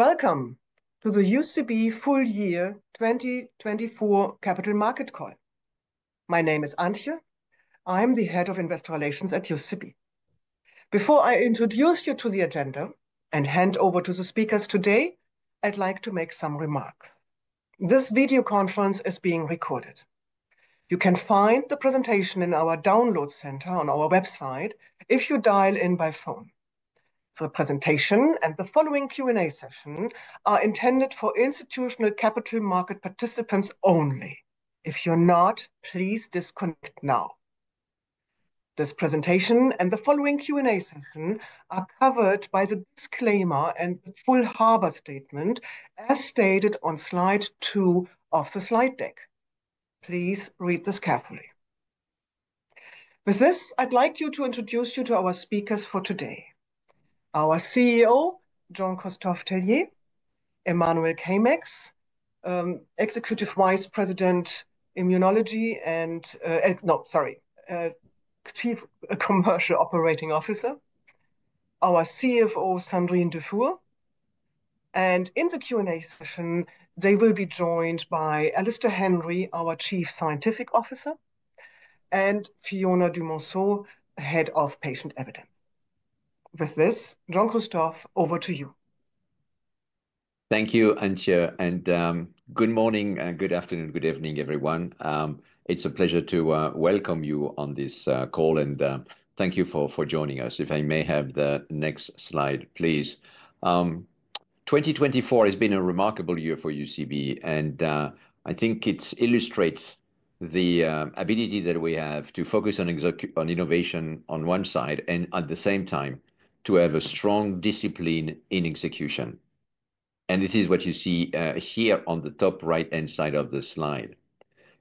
Welcome to the UCB Full Year 2024 Capital Market call. My name is Antje. I'm the Head of Investor Relations at UCB. Before I introduce you to the agenda and hand over to the speakers today, I'd like to make some remarks. This video conference is being recorded. You can find the presentation in our download center on our website if you dial in by phone. The presentation and the following Q&A session are intended for institutional capital market participants only. If you're not, please disconnect now. This presentation and the following Q&A session are covered by the disclaimer and the full safe harbor statement, as stated on slide two of the slide deck. Please read this carefully. With this, I'd like to introduce you to our speakers for today: our CEO, Jean-Christophe Tellier; Emmanuel Caeymaex, Executive Vice President, Immunology and—no, sorry—Chief Commercial Operating Officer; our CFO, Sandrine Dufour. In the Q&A session, they will be joined by Alistair Henry, our Chief Scientific Officer, and Fiona du Monceau, Head of Patient Evidence. With this, Jean-Christophe, over to you. Thank you, Antje. And good morning, good afternoon, good evening, everyone. It's a pleasure to welcome you on this call, and thank you for joining us. If I may have the next slide, please. 2024 has been a remarkable year for UCB, and I think it illustrates the ability that we have to focus on innovation on one side and, at the same time, to have a strong discipline in execution. And this is what you see here on the top right-hand side of the slide.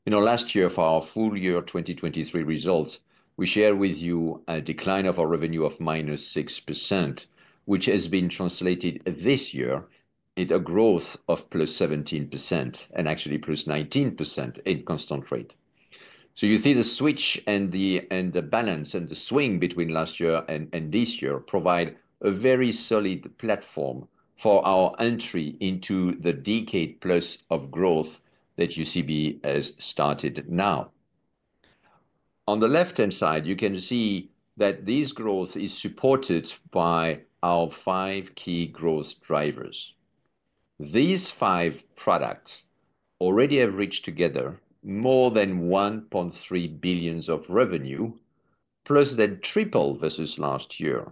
You know, last year, for our full year 2023 results, we shared with you a decline of our revenue of -6%, which has been translated this year into a growth of +17% and actually +19% in constant rate. So you see the switch and the balance and the swing between last year and this year provide a very solid platform for our entry into the decade plus of growth that UCB has started now. On the left-hand side, you can see that this growth is supported by our five key growth drivers. These five products already have reached together more than 1.3 billion of revenue, plus that triple versus last year.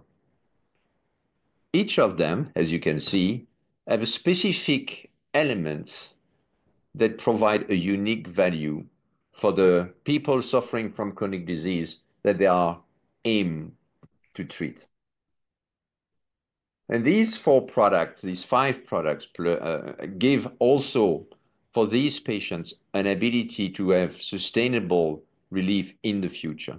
Each of them, as you can see, has a specific element that provides a unique value for the people suffering from chronic disease that they are aiming to treat. And these four products, these five products, give also for these patients an ability to have sustainable relief in the future.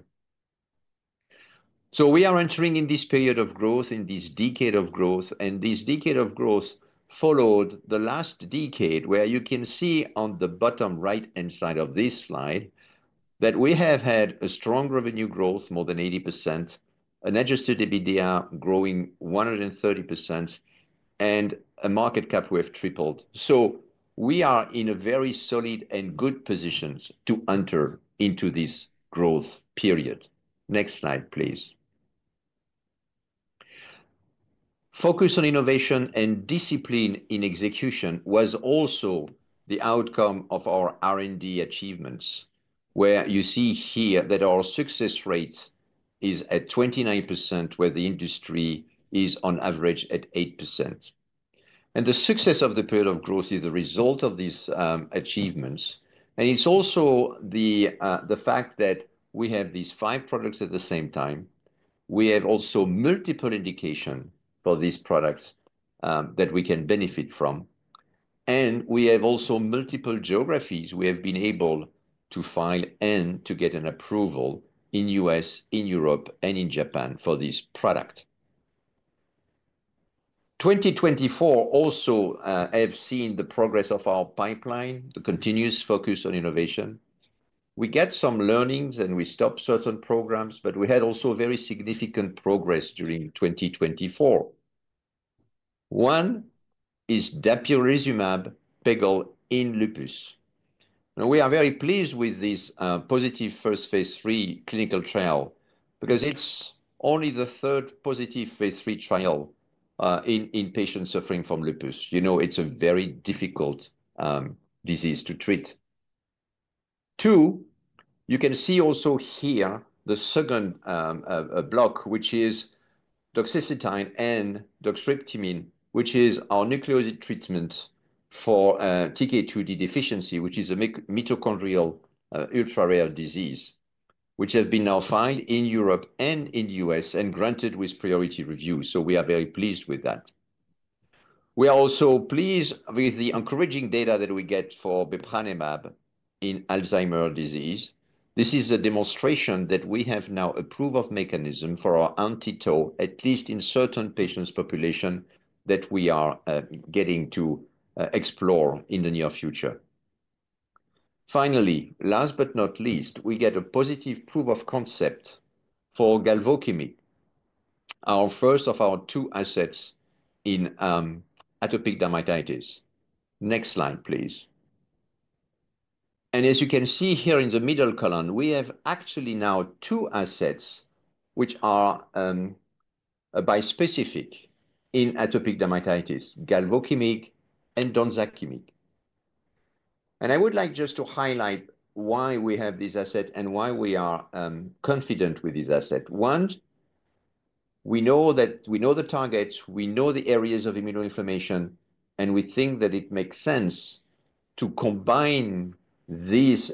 So we are entering in this period of growth, in this decade of growth, and this decade of growth followed the last decade where you can see on the bottom right-hand side of this slide that we have had a strong revenue growth, more than 80%, an adjusted EBITDA growing 130%, and a market cap we have tripled. So we are in a very solid and good position to enter into this growth period. Next slide, please. Focus on innovation and discipline in execution was also the outcome of our R&D achievements, where you see here that our success rate is at 29%, where the industry is on average at 8%. And the success of the period of growth is the result of these achievements. And it's also the fact that we have these five products at the same time. We have also multiple indications for these products that we can benefit from, and we have also multiple geographies we have been able to find and to get approval in the U.S., in Europe, and in Japan for this product. 2024 also has seen the progress of our pipeline, the continuous focus on innovation. We get some learnings, and we stop certain programs, but we had also very significant progress during 2024. One is dapirolizumab pegol in lupus, and we are very pleased with this positive first phase III clinical trial because it's only the third positive phase III trial in patients suffering from lupus. You know, it's a very difficult disease to treat. Two, you can see also here the second block, which is doxecitine and doxribtimine, which is our nucleoside treatment for TK2d deficiency, which is a mitochondrial ultrarare disease, which has been now found in Europe and in the U.S. and granted with priority review. So we are very pleased with that. We are also pleased with the encouraging data that we get for bepranemab in Alzheimer's disease. This is a demonstration that we have now a proof of mechanism for our anti-tau, at least in certain patients' population, that we are getting to explore in the near future. Finally, last but not least, we get a positive proof of concept for galvokimig, our first of our two assets in atopic dermatitis. Next slide, please, and as you can see here in the middle column, we have actually now two assets which are bispecific in atopic dermatitis, galvokimig and donzakimig. I would like just to highlight why we have this asset and why we are confident with this asset. One, we know that we know the targets, we know the areas of immunoinflammation, and we think that it makes sense to combine these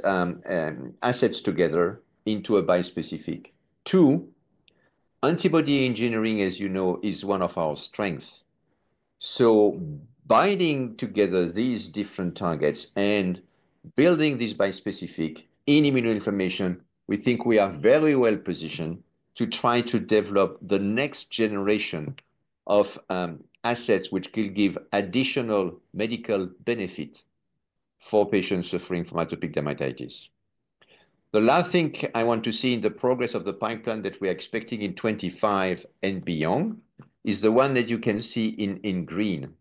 assets together into a bispecific. Two, antibody engineering, as you know, is one of our strengths. Binding together these different targets and building this bispecific in immunoinflammation, we think we are very well positioned to try to develop the next generation of assets which could give additional medical benefit for patients suffering from atopic dermatitis. The last thing I want to see in the progress of the pipeline that we are expecting in 25 and beyond is the one that you can see in green: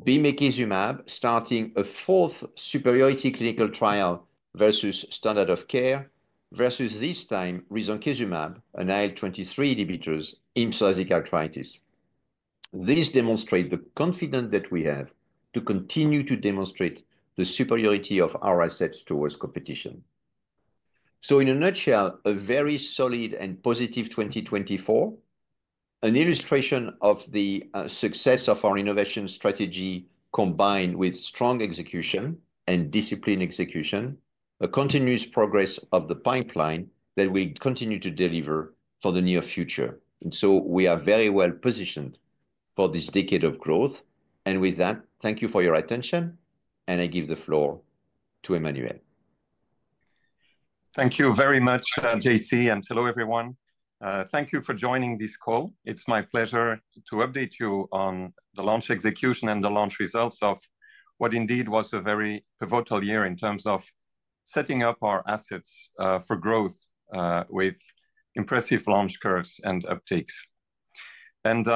bimekizumab starting a fourth superiority clinical trial versus standard of care versus this time risankizumab, an IL-23 inhibitor in psoriatic arthritis. This demonstrates the confidence that we have to continue to demonstrate the superiority of our assets towards competition. So in a nutshell, a very solid and positive 2024, an illustration of the success of our innovation strategy combined with strong execution and disciplined execution, a continuous progress of the pipeline that we continue to deliver for the near future. And so we are very well positioned for this decade of growth. And with that, thank you for your attention, and I give the floor to Emmanuel. Thank you very much, JC, and hello, everyone. Thank you for joining this call. It's my pleasure to update you on the launch execution and the launch results of what indeed was a very pivotal year in terms of setting up our assets for growth with impressive launch curves and uptakes. And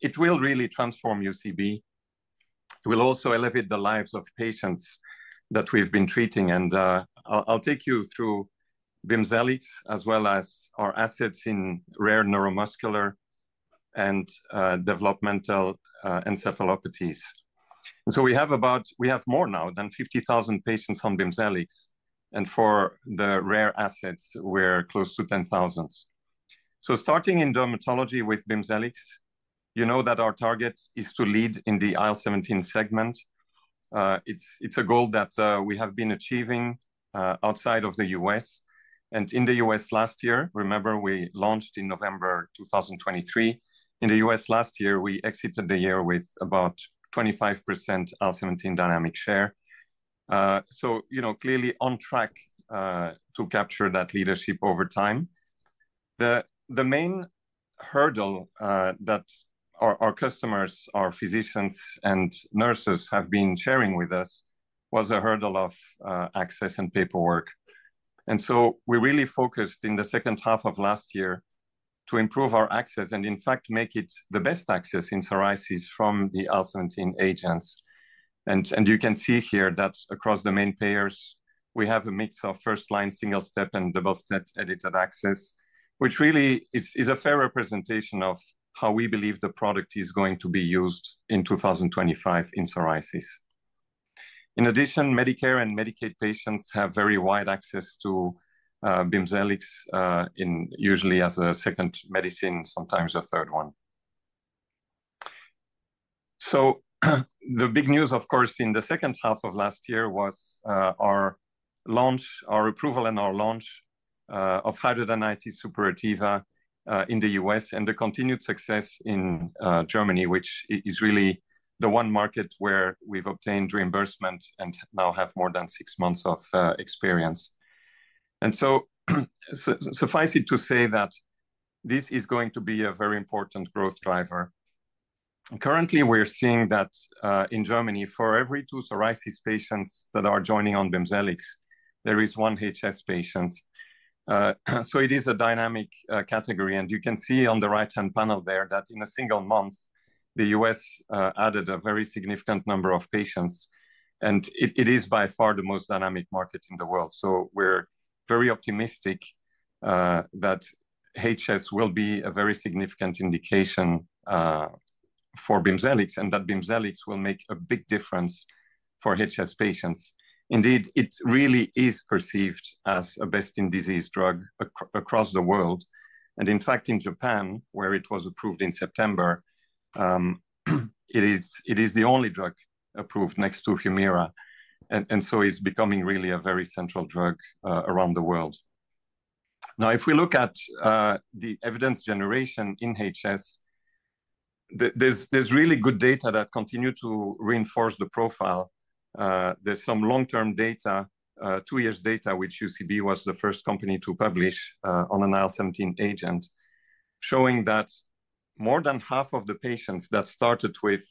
it will really transform UCB. It will also elevate the lives of patients that we've been treating. And I'll take you through BIMZELX as well as our assets in rare neuromuscular and developmental encephalopathies. And so we have more now than 50,000 patients on BIMZELX. And for the rare assets, we're close to 10,000. So starting in dermatology with BIMZELX, you know that our target is to lead in the IL-17 segment. It's a goal that we have been achieving outside of the U.S. And in the U.S. last year, remember, we launched in November 2023. In the U.S. last year, we exited the year with about 25% IL-17 market share, so you know, clearly on track to capture that leadership over time. The main hurdle that our customers, our physicians, and nurses have been sharing with us was a hurdle of access and paperwork, and so we really focused in the second half of last year to improve our access and, in fact, make it the best access in psoriasis from the IL-17 agents. You can see here that across the main payers, we have a mix of first-line, single-step, and double-step edited access, which really is a fair representation of how we believe the product is going to be used in 2025 in psoriasis. In addition, Medicare and Medicaid patients have very wide access to BIMZELX, usually as a second medicine, sometimes a third one. The big news, of course, in the second half of last year was our launch, our approval, and our launch of Hidradenitis Suppurativa in the U.S. and the continued success in Germany, which is really the one market where we've obtained reimbursement and now have more than six months of experience. Suffice it to say that this is going to be a very important growth driver. Currently, we're seeing that in Germany, for every two psoriasis patients that are joining on BIMZELX, there is one HS patient. It is a dynamic category. You can see on the right-hand panel there that in a single month, the U.S. added a very significant number of patients. It is by far the most dynamic market in the world. We're very optimistic that HS will be a very significant indication for BIMZELX, and that BIMZELX will make a big difference for HS patients. Indeed, it really is perceived as a best-in-disease drug across the world. In fact, in Japan, where it was approved in September, it is the only drug approved next to Humira. It's becoming really a very central drug around the world. Now, if we look at the evidence generation in HS, there's really good data that continue to reinforce the profile. There's some long-term data, two-year data, which UCB was the first company to publish on an IL-17 agent, showing that more than half of the patients that started with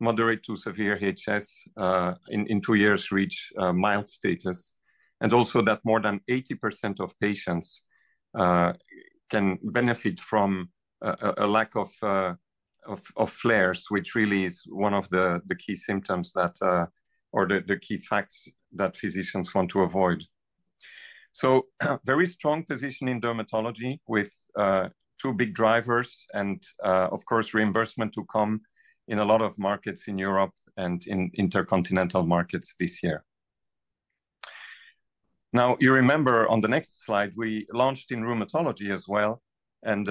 moderate to severe HS in two years reach mild status. And also that more than 80% of patients can benefit from a lack of flares, which really is one of the key symptoms or the key facts that physicians want to avoid. So very strong position in dermatology with two big drivers and, of course, reimbursement to come in a lot of markets in Europe and in intercontinental markets this year. Now, you remember on the next slide, we launched in rheumatology as well. And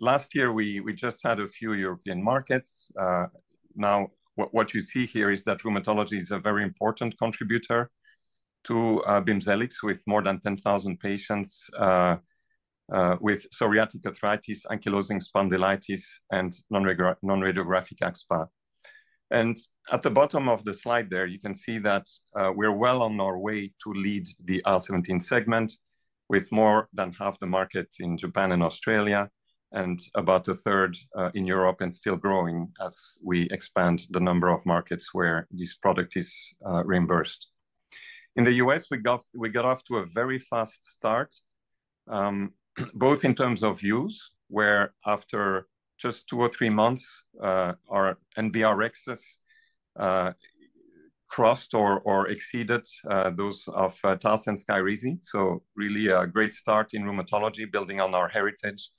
last year, we just had a few European markets. Now, what you see here is that rheumatology is a very important contributor to BIMZELX with more than 10,000 patients with psoriatic arthritis, ankylosing spondylitis, and non-radiographic axSpA. At the bottom of the slide there, you can see that we're well on our way to lead the IL-17 segment with more than half the market in Japan and Australia and about a third in Europe and still growing as we expand the number of markets where this product is reimbursed. In the U.S., we got off to a very fast start, both in terms of use, where after just two or three months, our NRx share crossed or exceeded those of Taltz and Skyrizi. Really a great start in rheumatology, building on our heritage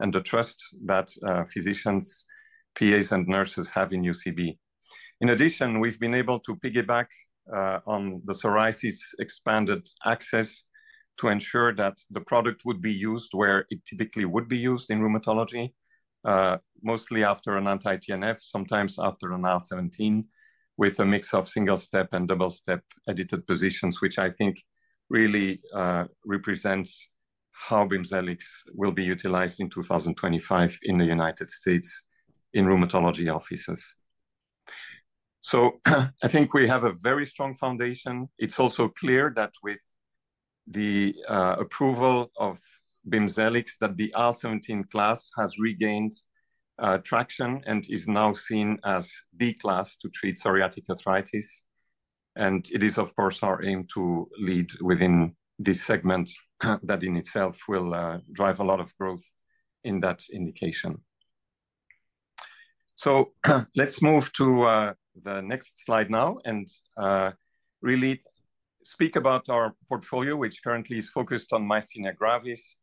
and the trust that physicians, PAs, and nurses have in UCB. In addition, we've been able to piggyback on the psoriasis-expanded access to ensure that the product would be used where it typically would be used in rheumatology, mostly after an anti-TNF, sometimes after an IL-17 with a mix of single-step and double-step edited positions, which I think really represents how BIMZELX will be utilized in 2025 in the United States in rheumatology offices. So I think we have a very strong foundation. It's also clear that with the approval of BIMZELX, that the IL-17 class has regained traction and is now seen as B class to treat psoriatic arthritis. And it is, of course, our aim to lead within this segment that in itself will drive a lot of growth in that indication. So let's move to the next slide now and really speak about our portfolio, which currently is focused on myasthenia gravis,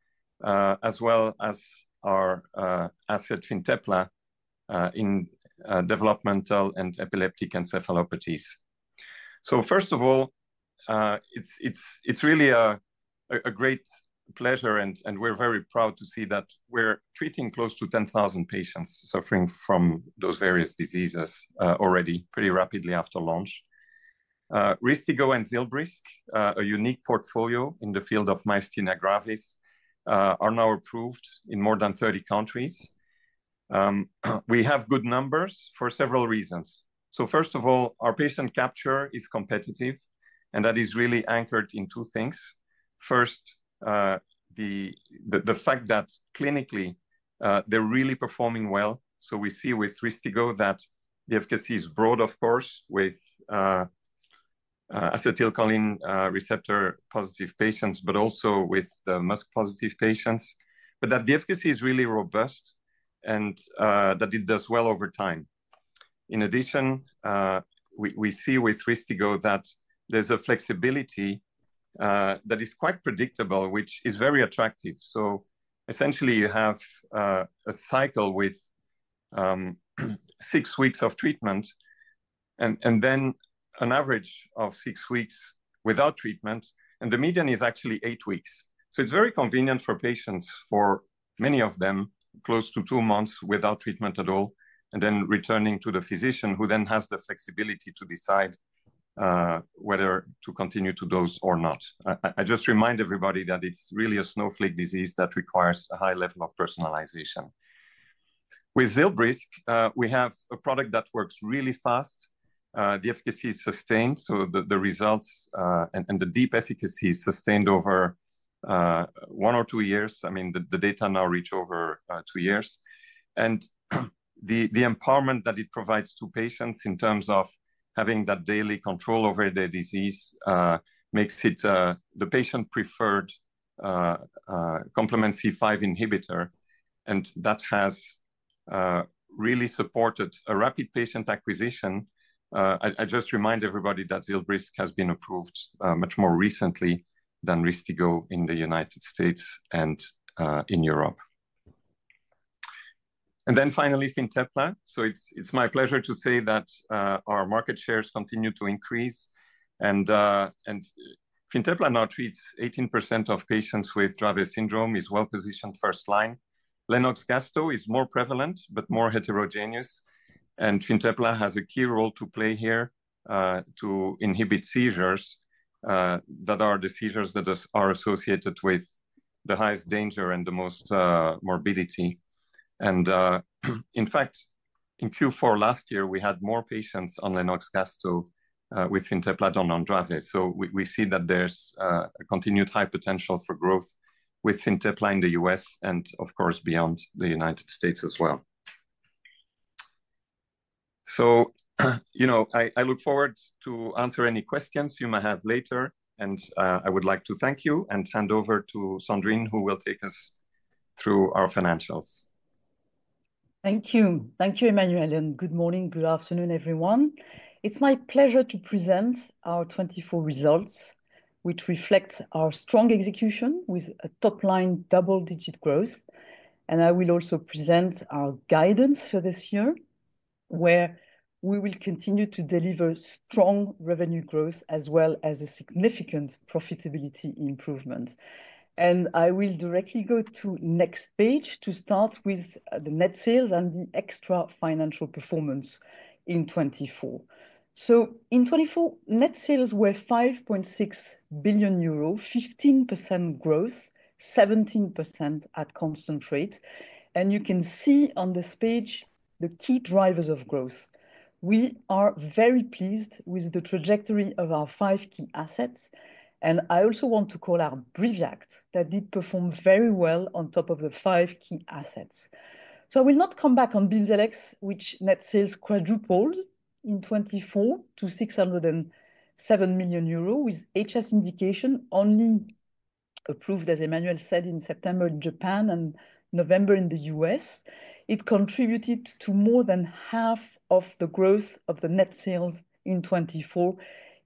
as well as our asset FINTEPLA in developmental and epileptic encephalopathies. So first of all, it's really a great pleasure, and we're very proud to see that we're treating close to 10,000 patients suffering from those various diseases already pretty rapidly after launch. RYSTIGGO and ZILBRYSQ, a unique portfolio in the field of myasthenia gravis, are now approved in more than 30 countries. We have good numbers for several reasons. So first of all, our patient capture is competitive, and that is really anchored in two things. First, the fact that clinically they're really performing well. So we see with RYSTIGGO that the efficacy is broad, of course, with acetylcholine receptor-positive patients, but also with the MuSK-positive patients, but that the efficacy is really robust and that it does well over time. In addition, we see with RYSTIGGO that there's a flexibility that is quite predictable, which is very attractive. So essentially, you have a cycle with six weeks of treatment and then an average of six weeks without treatment. And the median is actually eight weeks. So it's very convenient for patients, for many of them, close to two months without treatment at all, and then returning to the physician who then has the flexibility to decide whether to continue to dose or not. I just remind everybody that it's really a snowflake disease that requires a high level of personalization. With ZILBRYSQ, we have a product that works really fast. The efficacy is sustained. So the results and the deep efficacy is sustained over one or two years. I mean, the data now reach over two years. And the empowerment that it provides to patients in terms of having that daily control over their disease makes it the patient-preferred complement C5 inhibitor. And that has really supported a rapid patient acquisition. I just remind everybody that ZILBRYSQ has been approved much more recently than RYSTIGGO in the United States and in Europe. And then finally, FINTEPLA. So it's my pleasure to say that our market shares continue to increase. And FINTEPLA now treats 18% of patients with Dravet Syndrome, is well-positioned first line. Lennox-Gastaut is more prevalent, but more heterogeneous. And Fintepla has a key role to play here to inhibit seizures that are associated with the highest danger and the most morbidity. And in fact, in Q4 last year, we had more patients on Lennox-Gastaut with FINTEPLA than on Dravet. So we see that there's a continued high potential for growth with FINTEPLA in the U.S. and, of course, beyond the United States as well. So I look forward to answering any questions you might have later. And I would like to thank you and hand over to Sandrine, who will take us through our financials. Thank you. Thank you, Emmanuel. Good morning, good afternoon, everyone. It's my pleasure to present our 2024 results, which reflect our strong execution with a top-line double-digit growth. I will also present our guidance for this year, where we will continue to deliver strong revenue growth as well as a significant profitability improvement. I will directly go to the next page to start with the net sales and the other financial performance in 2024. In 2024, net sales were 5.6 billion euros, 15% growth, 17% at constant rate. You can see on this page the key drivers of growth. We are very pleased with the trajectory of our five key assets. I also want to call out BRIVIACT that did perform very well on top of the five key assets. So I will not come back on BIMZELX, which net sales quadrupled in 2024 to 607 million euro with HS indication only approved, as Emmanuel said, in September in Japan and November in the U.S. It contributed to more than half of the growth of the net sales in 2024.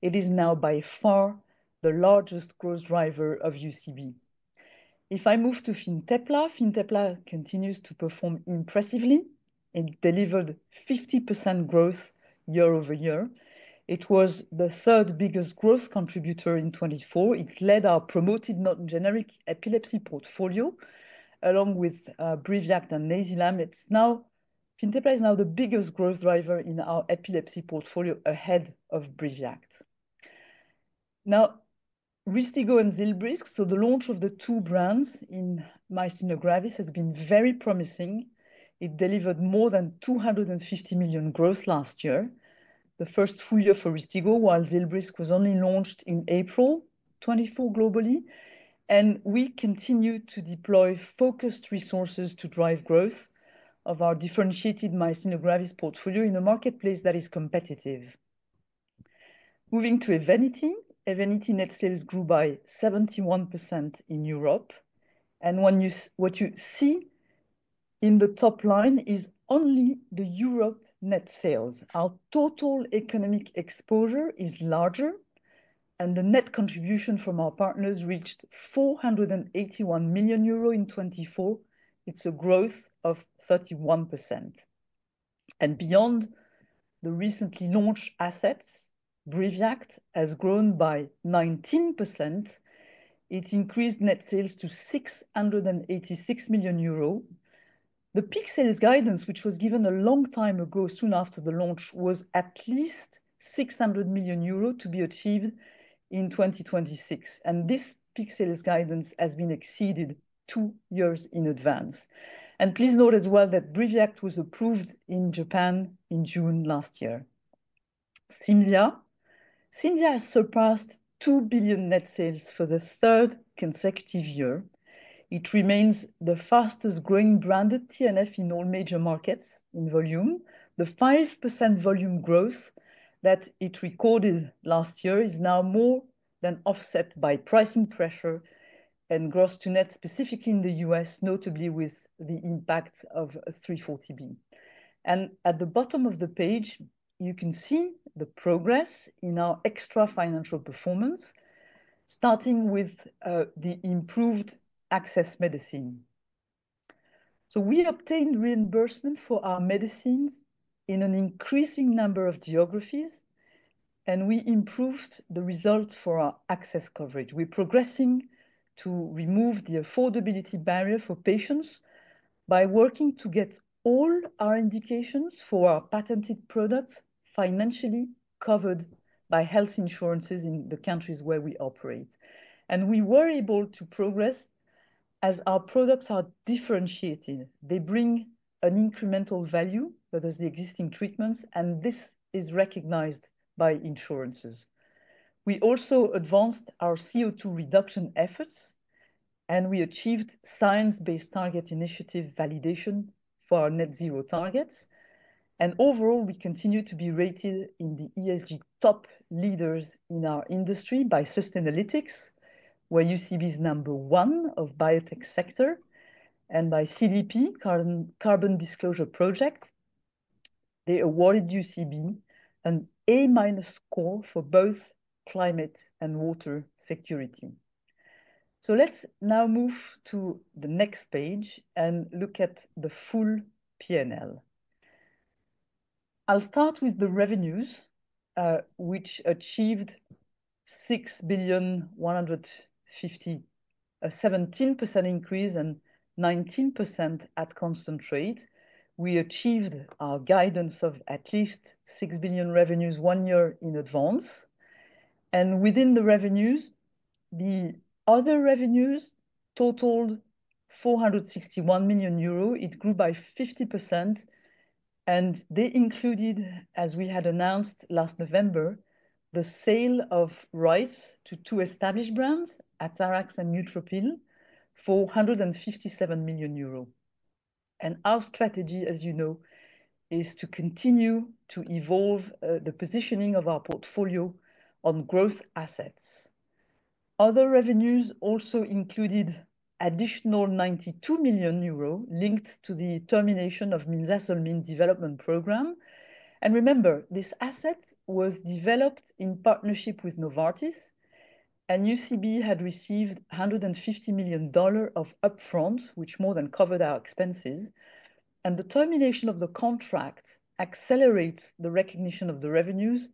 It is now by far the largest growth driver of UCB. If I move to FINTEPLA, FINTEPLA continues to perform impressively. It delivered 50% growth year over year. It was the third biggest growth contributor in 2024. It led our promoted non-generic epilepsy portfolio along with BRIVIACT and NAYZILAM. FINTEPLA is now the biggest growth driver in our epilepsy portfolio ahead of BRIVIACT. Now, RYSTIGGO and ZILBRYSQ, so the launch of the two brands in myasthenia gravis has been very promising. It delivered more than 250 million growth last year, the first full year for RYSTIGGO, while ZILBRYSQ was only launched in April 2024 globally. And we continue to deploy focused resources to drive growth of our differentiated myasthenia gravis portfolio in a marketplace that is competitive. Moving to EVENITY, EVENITY net sales grew by 71% in Europe. And what you see in the top line is only the Europe net sales. Our total economic exposure is larger, and the net contribution from our partners reached 481 million euro in 2024. It's a growth of 31%. And beyond the recently launched assets, BRIVIACT has grown by 19%. It increased net sales to 686 million euro. The peak sales guidance, which was given a long time ago soon after the launch, was at least 600 million euro to be achieved in 2026. And this peak sales guidance has been exceeded two years in advance. Please note as well that BRIVIACT was approved in Japan in June last year. Cimzia. Cimzia has surpassed 2 billion net sales for the third consecutive year. It remains the fastest-growing branded TNF in all major markets in volume. The 5% volume growth that it recorded last year is now more than offset by pricing pressure and gross to net, specifically in the U.S., notably with the impact of 340B. And at the bottom of the page, you can see the progress in our extrafinancial performance, starting with the improved access medicine. We obtained reimbursement for our medicines in an increasing number of geographies, and we improved the results for our access coverage. We're progressing to remove the affordability barrier for patients by working to get all our indications for our patented products financially covered by health insurances in the countries where we operate. We were able to progress as our products are differentiated. They bring an incremental value that is the existing treatments, and this is recognized by insurances. We also advanced our CO2 reduction efforts, and we achieved Science Based Targets initiative validation for our net zero targets. Overall, we continue to be rated in the ESG top leaders in our industry by Sustainalytics, where UCB is number one of biotech sector, and by CDP, Carbon Disclosure Project. They awarded UCB an A- score for both climate and water security. Let's now move to the next page and look at the full P&L. I'll start with the revenues, which achieved 6,150, 17% increase and 19% at constant rate. We achieved our guidance of at least 6 billion revenues one year in advance. Within the revenues, the other revenues totaled 461 million euros. It grew by 50%. They included, as we had announced last November, the sale of rights to two established brands, Atarax and Nootropil, for 157 million euro. Our strategy, as you know, is to continue to evolve the positioning of our portfolio on growth assets. Other revenues also included additional 92 million euro linked to the termination of minzasolmin development program. Remember, this asset was developed in partnership with Novartis, and UCB had received $150 million of upfront, which more than covered our expenses. The termination of the contract accelerates the recognition of the revenues,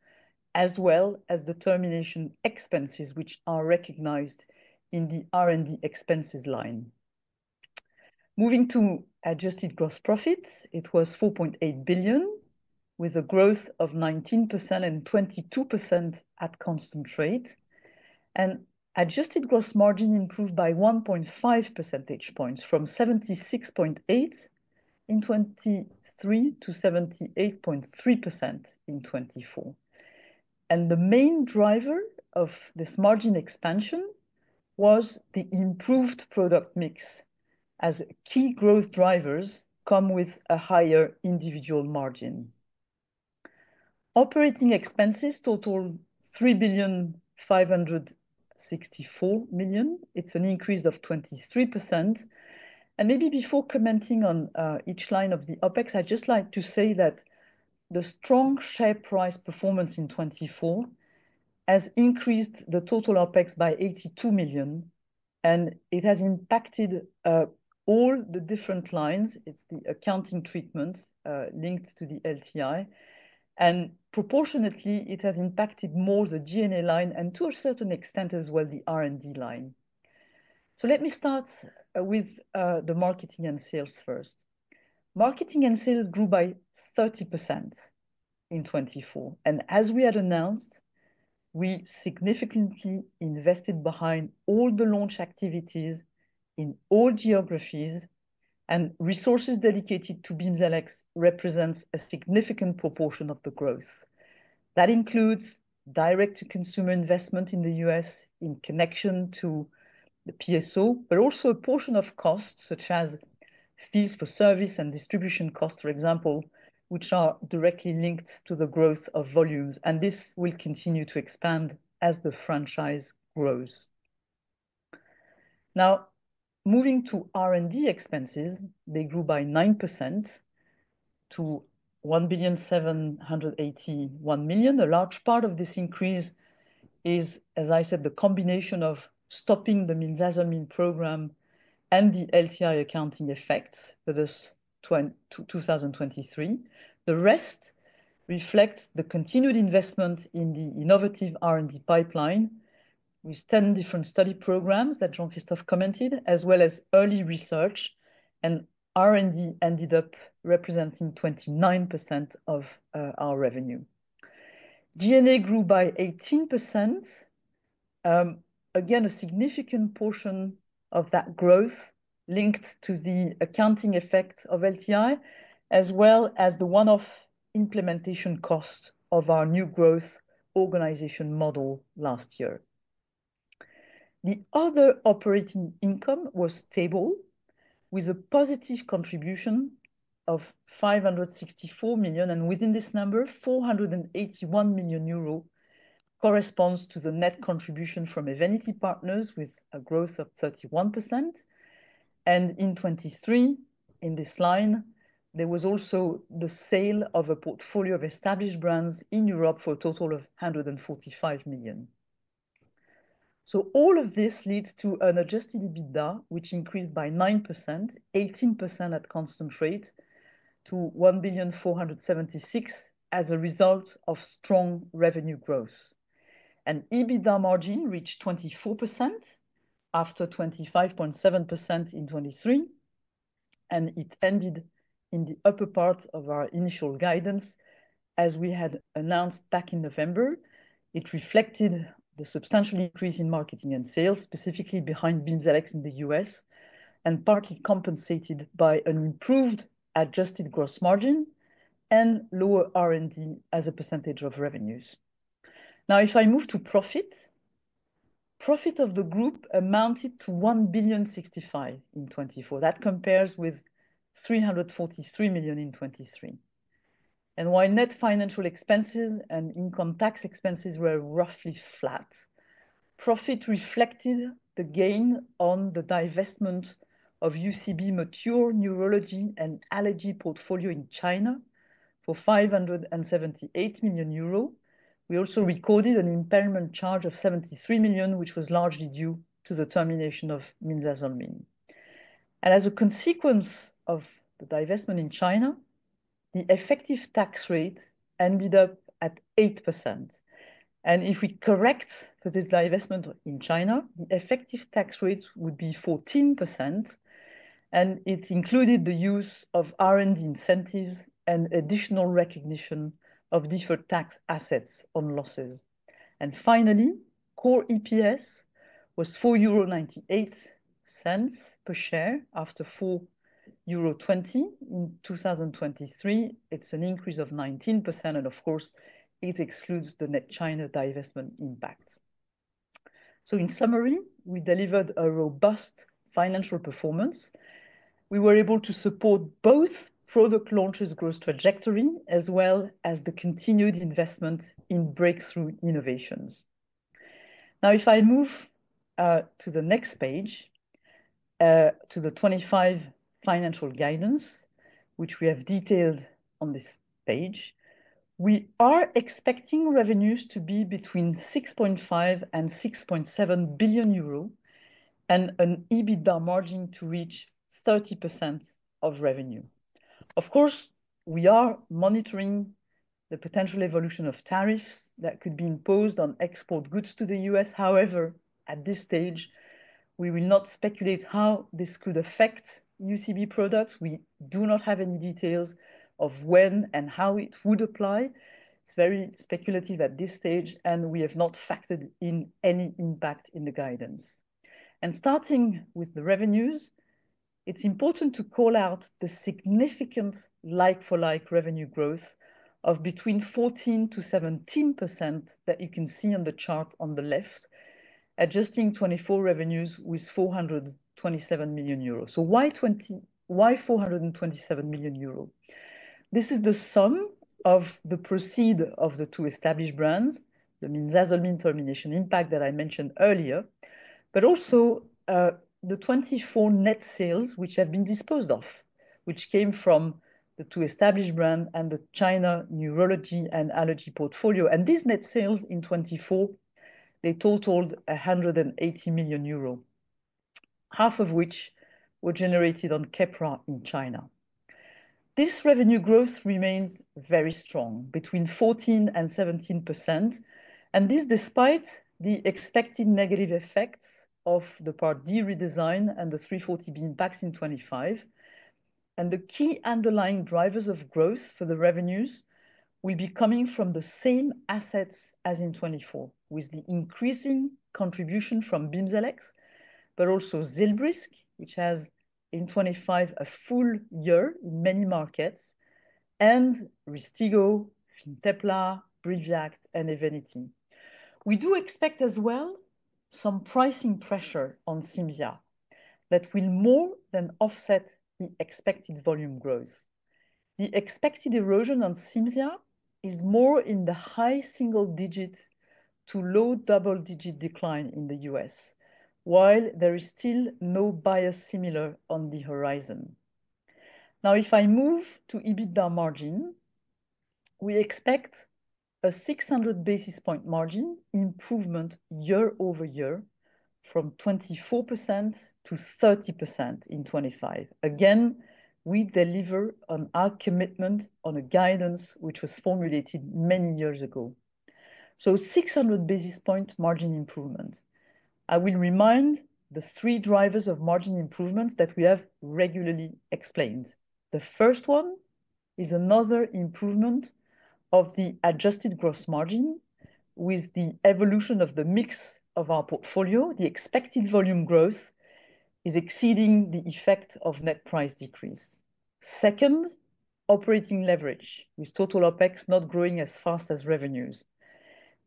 as well as the termination expenses, which are recognized in the R&D expenses line. Moving to adjusted gross profits, it was 4.8 billion, with a growth of 19% and 22% at constant rate. Adjusted gross margin improved by 1.5 percentage points from 76.8% in 2023 to 78.3% in 2024. And the main driver of this margin expansion was the improved product mix, as key growth drivers come with a higher individual margin. Operating expenses totaled 3,564 million. It's an increase of 23%. And maybe before commenting on each line of the OpEx, I'd just like to say that the strong share price performance in 2024 has increased the total OpEx by 82 million, and it has impacted all the different lines. It's the accounting treatments linked to the LTI. And proportionately, it has impacted more the G&A line and to a certain extent as well the R&D line. So let me start with the marketing and sales first. Marketing and sales grew by 30% in 2024. And as we had announced, we significantly invested behind all the launch activities in all geographies, and resources dedicated to Bimzelx represent a significant proportion of the growth. That includes direct-to-consumer investment in the U.S. in connection to the PSO, but also a portion of costs such as fees for service and distribution costs, for example, which are directly linked to the growth of volumes. And this will continue to expand as the franchise grows. Now, moving to R&D expenses, they grew by 9% to 1,781 million. A large part of this increase is, as I said, the combination of stopping the minzasolmin program and the LTI accounting effects for this 2023. The rest reflects the continued investment in the innovative R&D pipeline with 10 different study programs that Jean-Christophe commented, as well as early research. And R&D ended up representing 29% of our revenue. G&A grew by 18%. Again, a significant portion of that growth linked to the accounting effect of LTI, as well as the one-off implementation cost of our new growth organization model last year. The other operating income was stable, with a positive contribution of 564 million. And within this number, 481 million euro corresponds to the net contribution from Evenity Partners with a growth of 31%. And in 2023, in this line, there was also the sale of a portfolio of established brands in Europe for a total of 145 million. So all of this leads to an Adjusted EBITDA, which increased by 9%, 18% at constant rate, to 1,476 million as a result of strong revenue growth. And EBITDA margin reached 24% after 25.7% in 2023. And it ended in the upper part of our initial guidance, as we had announced back in November. It reflected the substantial increase in marketing and sales, specifically behind BIMZELX in the U.S., and partly compensated by an improved adjusted gross margin and lower R&D as a percentage of revenues. Now, if I move to profit, profit of the group amounted to 1,065 million in 2024. That compares with 343 million in 2023, and while net financial expenses and income tax expenses were roughly flat, profit reflected the gain on the divestment of UCB Mature Neurology and Allergy portfolio in China for 578 million euro. We also recorded an impairment charge of 73 million, which was largely due to the termination of minzasolmin, and as a consequence of the divestment in China, the effective tax rate ended up at 8%, and if we correct for this divestment in China, the effective tax rate would be 14%, and it included the use of R&D incentives and additional recognition of different tax assets on losses, and finally, core EPS was 4.98 euro per share after 4.20 euro in 2023. It's an increase of 19%, and of course, it excludes the net China divestment impact. So in summary, we delivered a robust financial performance. We were able to support both product launches' growth trajectory as well as the continued investment in breakthrough innovations. Now, if I move to the next page, to the 2025 financial guidance, which we have detailed on this page, we are expecting revenues to be between 6.5 and 6.7 billion euro and an EBITDA margin to reach 30% of revenue. Of course, we are monitoring the potential evolution of tariffs that could be imposed on export goods to the U.S. However, at this stage, we will not speculate how this could affect UCB products. We do not have any details of when and how it would apply. It's very speculative at this stage, and we have not factored in any impact in the guidance. Starting with the revenues, it's important to call out the significant like-for-like revenue growth of between 14%-17% that you can see on the chart on the left, adjusting 2024 revenues with 427 million euros. So why 427 million euros? This is the sum of the proceeds of the two established brands, the minzasolmin termination impact that I mentioned earlier, but also the 2024 net sales which have been disposed of, which came from the two established brands and the China neurology and allergy portfolio. These net sales in 2024, they totaled 180 million euro, half of which were generated on Keppra in China. This revenue growth remains very strong, between 14% and 17%, and this despite the expected negative effects of the Part D redesign and the 340B impacts in 2025. And the key underlying drivers of growth for the revenues will be coming from the same assets as in 2024, with the increasing contribution from BIMZELX, but also ZILBRYSQ, which has in 2025 a full year in many markets, and RYSTIGGO, FINTEPLA, BRIVIACT, and EVENITY. We do expect as well some pricing pressure on Cimzia that will more than offset the expected volume growth. The expected erosion on Cimzia is more in the high single-digit to low double-digit decline in the U.S., while there is still no biosimilar on the horizon. Now, if I move to EBITDA margin, we expect a 600 basis points margin improvement year over year from 24% to 30% in 2025. Again, we deliver on our commitment on a guidance which was formulated many years ago. So 600 basis points margin improvement. I will remind the three drivers of margin improvement that we have regularly explained. The first one is another improvement of the adjusted gross margin with the evolution of the mix of our portfolio. The expected volume growth is exceeding the effect of net price decrease. Second, operating leverage with total OpEx not growing as fast as revenues.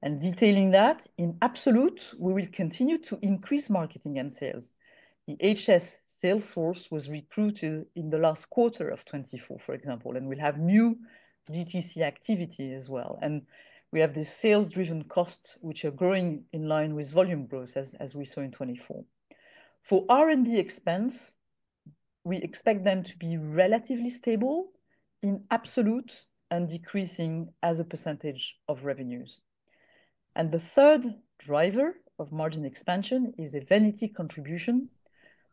And detailing that in absolute, we will continue to increase marketing and sales. The HS sales force was recruited in the last quarter of 2024, for example, and we'll have new DTC activity as well. And we have the sales-driven costs which are growing in line with volume growth, as we saw in 2024. For R&D expense, we expect them to be relatively stable in absolute and decreasing as a percentage of revenues. The third driver of margin expansion is EVENITY contribution,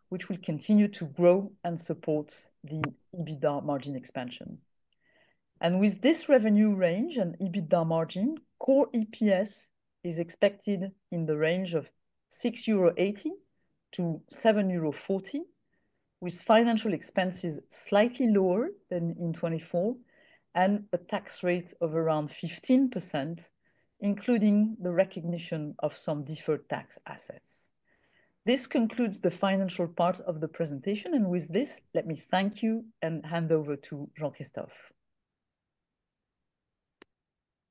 which will continue to grow and support the EBITDA margin expansion. With this revenue range and EBITDA margin, core EPS is expected in the range of 6.80-7.40 euro, with financial expenses slightly lower than in 2024 and a tax rate of around 15%, including the recognition of some deferred tax assets. This concludes the financial part of the presentation. With this, let me thank you and hand over to Jean-Christophe.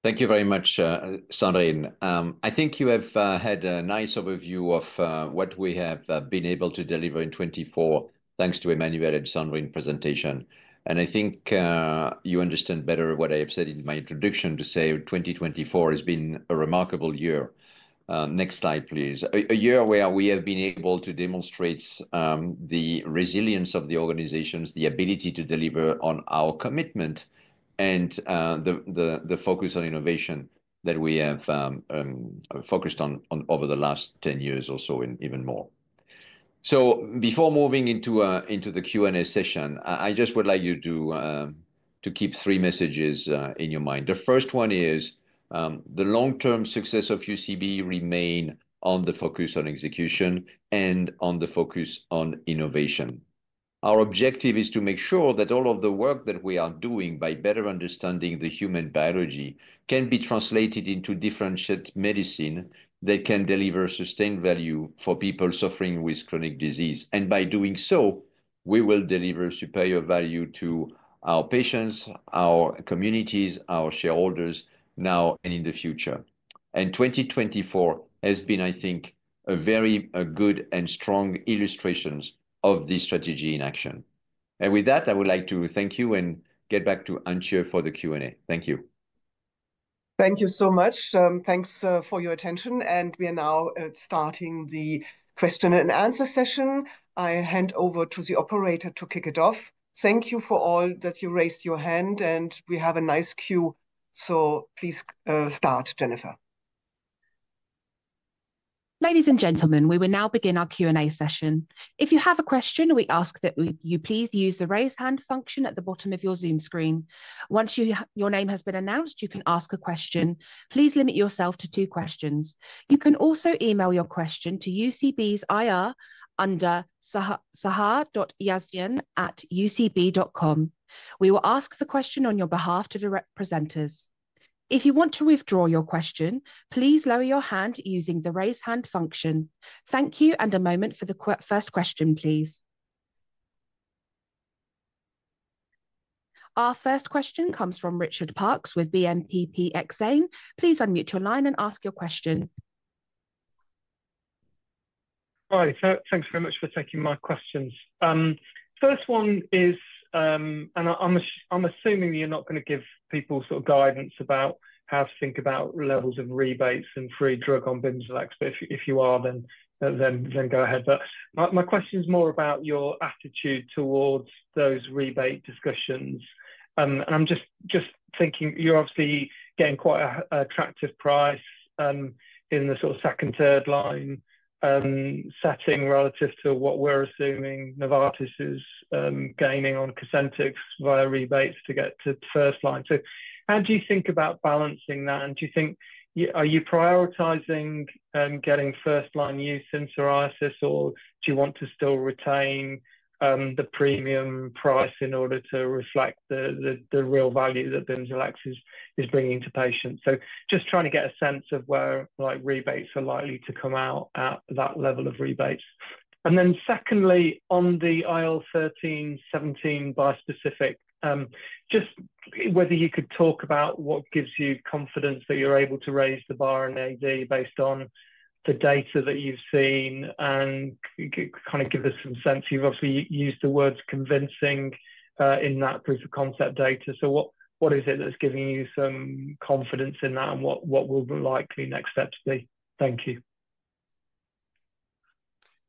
Thank you very much, Sandrine. I think you have had a nice overview of what we have been able to deliver in 2024, thanks to Emmanuel and Sandrine's presentation. I think you understand better what I have said in my introduction to say 2024 has been a remarkable year. Next slide, please. A year where we have been able to demonstrate the resilience of the organizations, the ability to deliver on our commitment, and the focus on innovation that we have focused on over the last 10 years or so and even more. So before moving into the Q&A session, I just would like you to keep three messages in your mind. The first one is the long-term success of UCB remains on the focus on execution and on the focus on innovation. Our objective is to make sure that all of the work that we are doing by better understanding the human biology can be translated into differentiated medicine that can deliver sustained value for people suffering with chronic disease, and by doing so, we will deliver superior value to our patients, our communities, our shareholders now and in the future. 2024 has been, I think, a very good and strong illustration of this strategy in action. With that, I would like to thank you and get back to Antje for the Q&A. Thank you. Thank you so much. Thanks for your attention. We are now starting the question and answer session. I hand over to the operator to kick it off. Thank you to all that raised your hand, and we have a nice queue. So please start, Jennifer. Ladies and gentlemen, we will now begin our Q&A session. If you have a question, we ask that you please use the raise hand function at the bottom of your Zoom screen. Once your name has been announced, you can ask a question. Please limit yourself to two questions. You can also email your question to UCB's IR under sahar.yasdien@ucb.com. We will ask the question on your behalf to the representatives. If you want to withdraw your question, please lower your hand using the raise hand function. Thank you, and a moment for the first question, please. Our first question comes from Richard Parkes with BNPP Exane. Please unmute your line and ask your question. Hi, thanks very much for taking my questions. First one is, and I'm assuming you're not going to give people sort of guidance about how to think about levels of rebates and free drug on BIMZELX. But if you are, then go ahead. But my question is more about your attitude towards those rebate discussions. And I'm just thinking you're obviously getting quite an attractive price in the sort of second, third line setting relative to what we're assuming Novartis is gaining on Cosentyx via rebates to get to first line. So how do you think about balancing that? And do you think, are you prioritizing getting first line use in psoriasis, or do you want to still retain the premium price in order to reflect the real value that BIMZELX is bringing to patients? So just trying to get a sense of where rebates are likely to come out at that level of rebates. And then secondly, on the IL-13/17 bispecific, just whether you could talk about what gives you confidence that you're able to raise the bar in AD based on the data that you've seen and kind of give us some sense. You've obviously used the words convincing in that proof of concept data. So what is it that's giving you some confidence in that, and what will the likely next steps be? Thank you.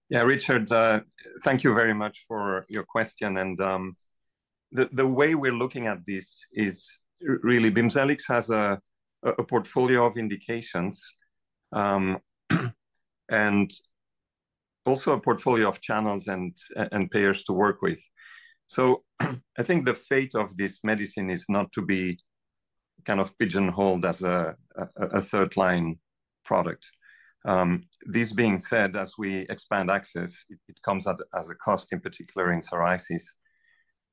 Yeah, Richard, thank you very much for your question. And the way we're looking at this is really BIMZELX has a portfolio of indications and also a portfolio of channels and payers to work with. So I think the fate of this medicine is not to be kind of pigeonholed as a third line product. This being said, as we expand access, it comes at a cost, in particular in psoriasis.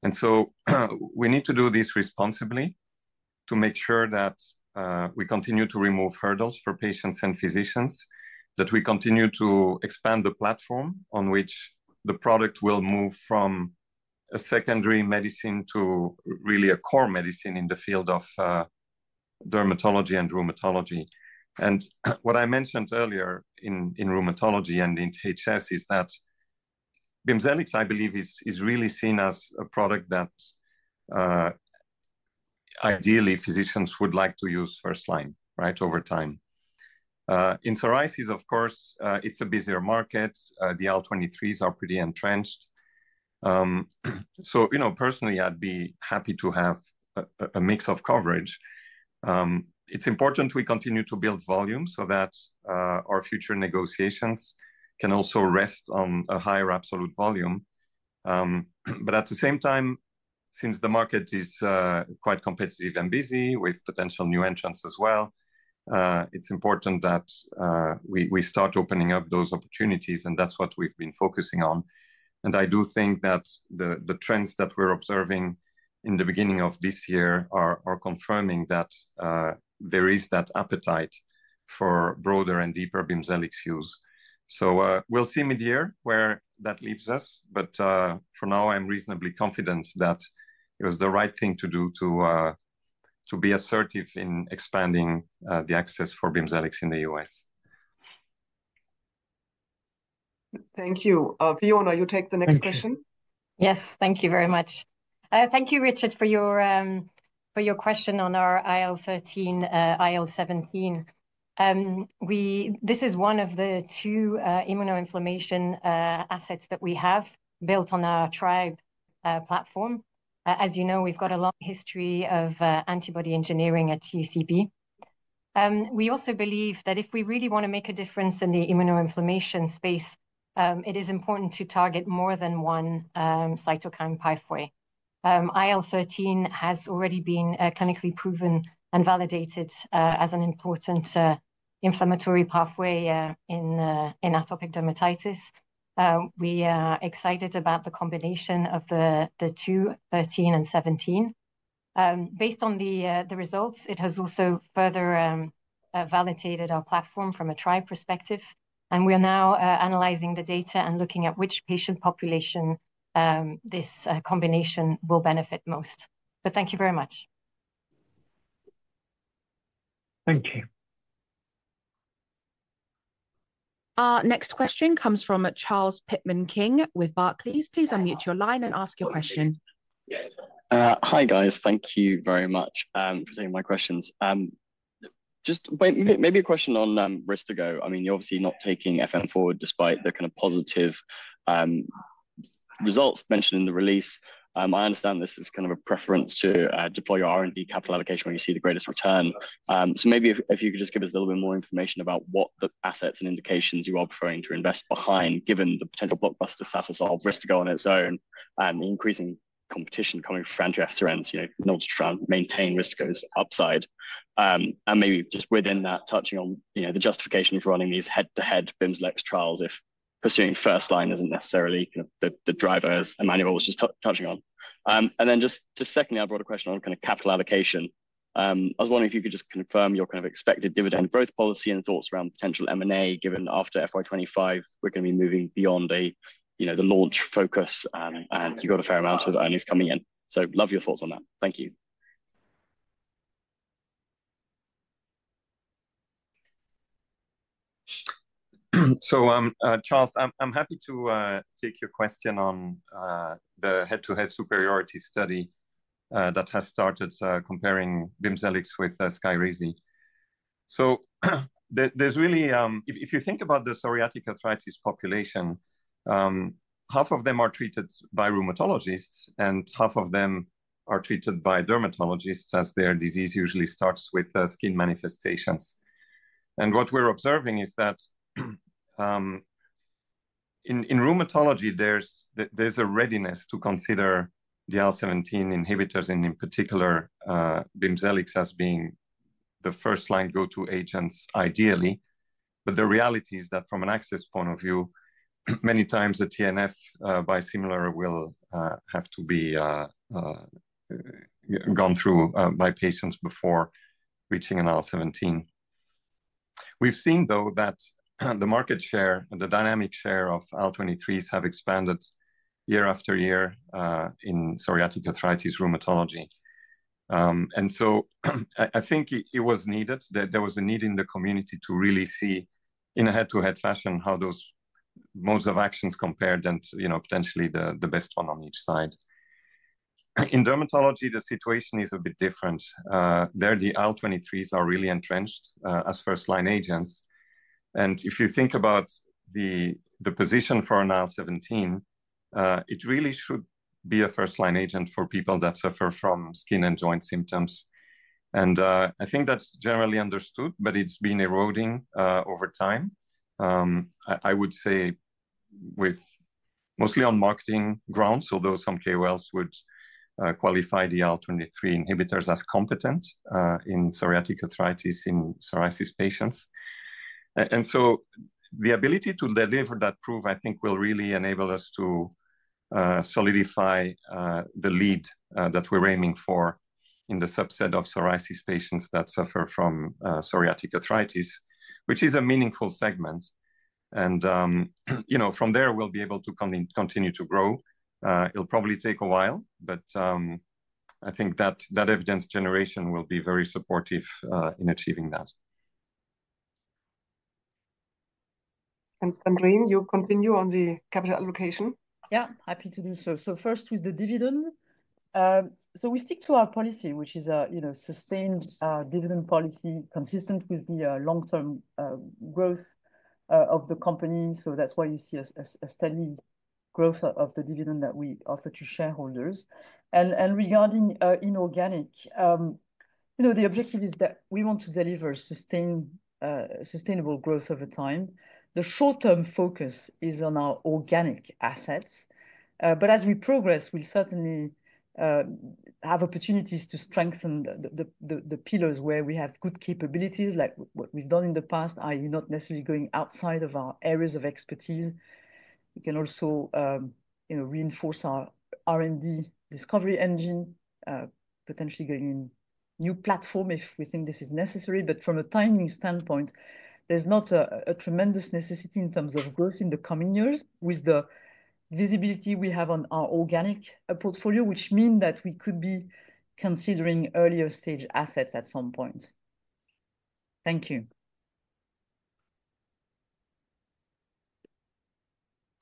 And so we need to do this responsibly to make sure that we continue to remove hurdles for patients and physicians, that we continue to expand the platform on which the product will move from a secondary medicine to really a core medicine in the field of dermatology and rheumatology. And what I mentioned earlier in rheumatology and in HS is that BIMZELX, I believe, is really seen as a product that ideally physicians would like to use first line, right, over time. In psoriasis, of course, it's a busier market. The IL-23s are pretty entrenched. So personally, I'd be happy to have a mix of coverage. It's important we continue to build volume so that our future negotiations can also rest on a higher absolute volume. But at the same time, since the market is quite competitive and busy with potential new entrants as well, it's important that we start opening up those opportunities, and that's what we've been focusing on. And I do think that the trends that we're observing in the beginning of this year are confirming that there is that appetite for broader and deeper BIMZELX use. So we'll see mid-year where that leaves us. But for now, I'm reasonably confident that it was the right thing to do to be assertive in expanding the access for BIMZELX in the U.S. Thank you. Fiona, you take the next question. Yes, thank you very much. Thank you, Richard, for your question on our IL-13, IL-17. This is one of the two immunoinflammation assets that we have built on our TrYbe platform. As you know, we've got a long history of antibody engineering at UCB. We also believe that if we really want to make a difference in the immunoinflammation space, it is important to target more than one cytokine pathway. IL-13 has already been clinically proven and validated as an important inflammatory pathway in atopic dermatitis. We are excited about the combination of the two, 13 and 17. Based on the results, it has also further validated our platform from a tribe perspective. And we are now analyzing the data and looking at which patient population this combination will benefit most. But thank you very much. Thank you. Our next question comes from Charles Pitman-King with Barclays. Please unmute your line and ask your question. Hi, guys. Thank you very much for taking my questions. Just maybe a question on RYSTIGGO. I mean, you're obviously not taking FM forward despite the kind of positive results mentioned in the release. I understand this is kind of a preference to deploy your R&D capital allocation where you see the greatest return. So maybe if you could just give us a little bit more information about what the assets and indications you are preferring to invest behind, given the potential blockbuster status of RYSTIGGO, on its own and the increasing competition coming from FcRn too, and, in order to maintain RYSTIGGO's upside. And maybe just within that, touching on the justification for running these head-to-head BIMZELX trials, if pursuing first line isn't necessarily the drivers Emmanuel was just touching on. Then just secondly, I brought a question on kind of capital allocation. I was wondering if you could just confirm your kind of expected dividend growth policy and thoughts around potential M&A, given after FY 2025, we're going to be moving beyond the launch focus, and you've got a fair amount of earnings coming in. So love your thoughts on that. Thank you. Charles, I'm happy to take your question on the head-to-head superiority study that has started comparing BIMZELX with Skyrizi. There's really, if you think about the psoriatic arthritis population, half of them are treated by rheumatologists, and half of them are treated by dermatologists as their disease usually starts with skin manifestations. What we're observing is that in rheumatology, there's a readiness to consider the IL-17 inhibitors, and in particular, BIMZELX as being the first line go-to agents, ideally. But the reality is that from an access point of view, many times a TNF biosimilar will have to be gone through by patients before reaching an IL-17. We've seen, though, that the market share and the dynamic share of IL-23s have expanded year after year in psoriatic arthritis rheumatology. And so I think it was needed. There was a need in the community to really see in a head-to-head fashion how those modes of action compared and potentially the best one on each side. In dermatology, the situation is a bit different. There, the IL-23s are really entrenched as first-line agents. And if you think about the position for an IL-17, it really should be a first-line agent for people that suffer from skin and joint symptoms. And I think that's generally understood, but it's been eroding over time. I would say mostly on marketing grounds, although some KOLs would qualify the IL-23 inhibitors as competent in psoriatic arthritis in psoriasis patients. And so the ability to deliver that proof, I think, will really enable us to solidify the lead that we're aiming for in the subset of psoriasis patients that suffer from psoriatic arthritis, which is a meaningful segment. And from there, we'll be able to continue to grow. It'll probably take a while, but I think that evidence generation will be very supportive in achieving that. And Sandrine, you continue on the capital allocation. Yeah, happy to do so. So first with the dividend. So we stick to our policy, which is a sustained dividend policy consistent with the long-term growth of the company. So that's why you see a steady growth of the dividend that we offer to shareholders. Regarding inorganic, the objective is that we want to deliver sustainable growth over time. The short-term focus is on our organic assets. But as we progress, we'll certainly have opportunities to strengthen the pillars where we have good capabilities, like what we've done in the past, i.e., not necessarily going outside of our areas of expertise. We can also reinforce our R&D discovery engine, potentially going in a new platform if we think this is necessary. But from a timing standpoint, there's not a tremendous necessity in terms of growth in the coming years with the visibility we have on our organic portfolio, which means that we could be considering earlier stage assets at some point. Thank you.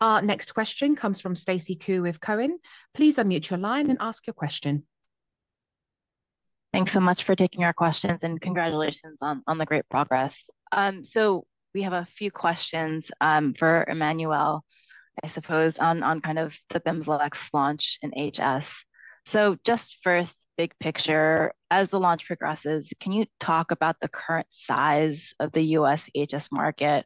Our next question comes from Stacy Ku with Cowen. Please unmute your line and ask your question. Thanks so much for taking our questions, and congratulations on the great progress. So we have a few questions for Emmanuel, I suppose, on kind of the BIMZELX launch in HS. So just first, big picture, as the launch progresses, can you talk about the current size of the U.S. HS market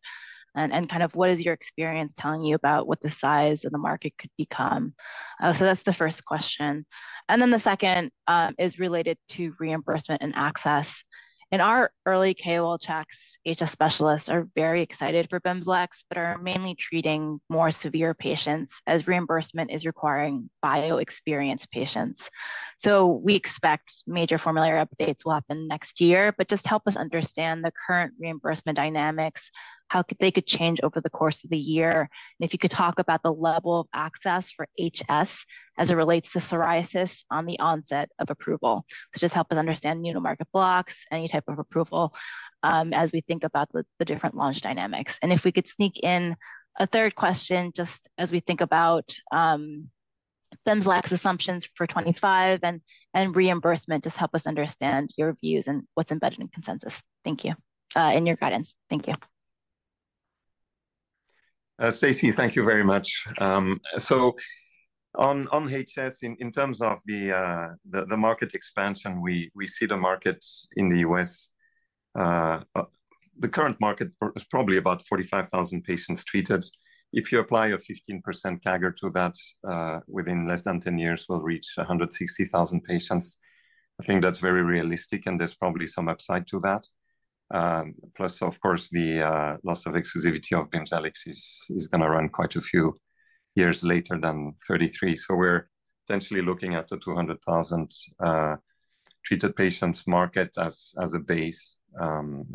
and kind of what is your experience telling you about what the size of the market could become? So that's the first question. And then the second is related to reimbursement and access. In our early KOL checks, HS specialists are very excited for BIMZELX, but are mainly treating more severe patients as reimbursement is requiring bio-experienced patients. So we expect major formulary updates will happen next year, but just help us understand the current reimbursement dynamics, how they could change over the course of the year. If you could talk about the level of access for HS as it relates to psoriasis on the onset of approval, so just help us understand new-to-market blocks, any type of approval as we think about the different launch dynamics. And if we could sneak in a third question, just as we think about BIMZELX's assumptions for 2025 and reimbursement, just help us understand your views and what's embedded in consensus. Thank you and your guidance. Thank you. Stacy, thank you very much. So on HS, in terms of the market expansion, we see the market in the U.S., the current market is probably about 45,000 patients treated. If you apply a 15% CAGR to that, within less than 10 years, we'll reach 160,000 patients. I think that's very realistic, and there's probably some upside to that. Plus, of course, the loss of exclusivity of BIMZELX is going to run quite a few years later than 2033, so we're potentially looking at a 200,000 treated patients market as a base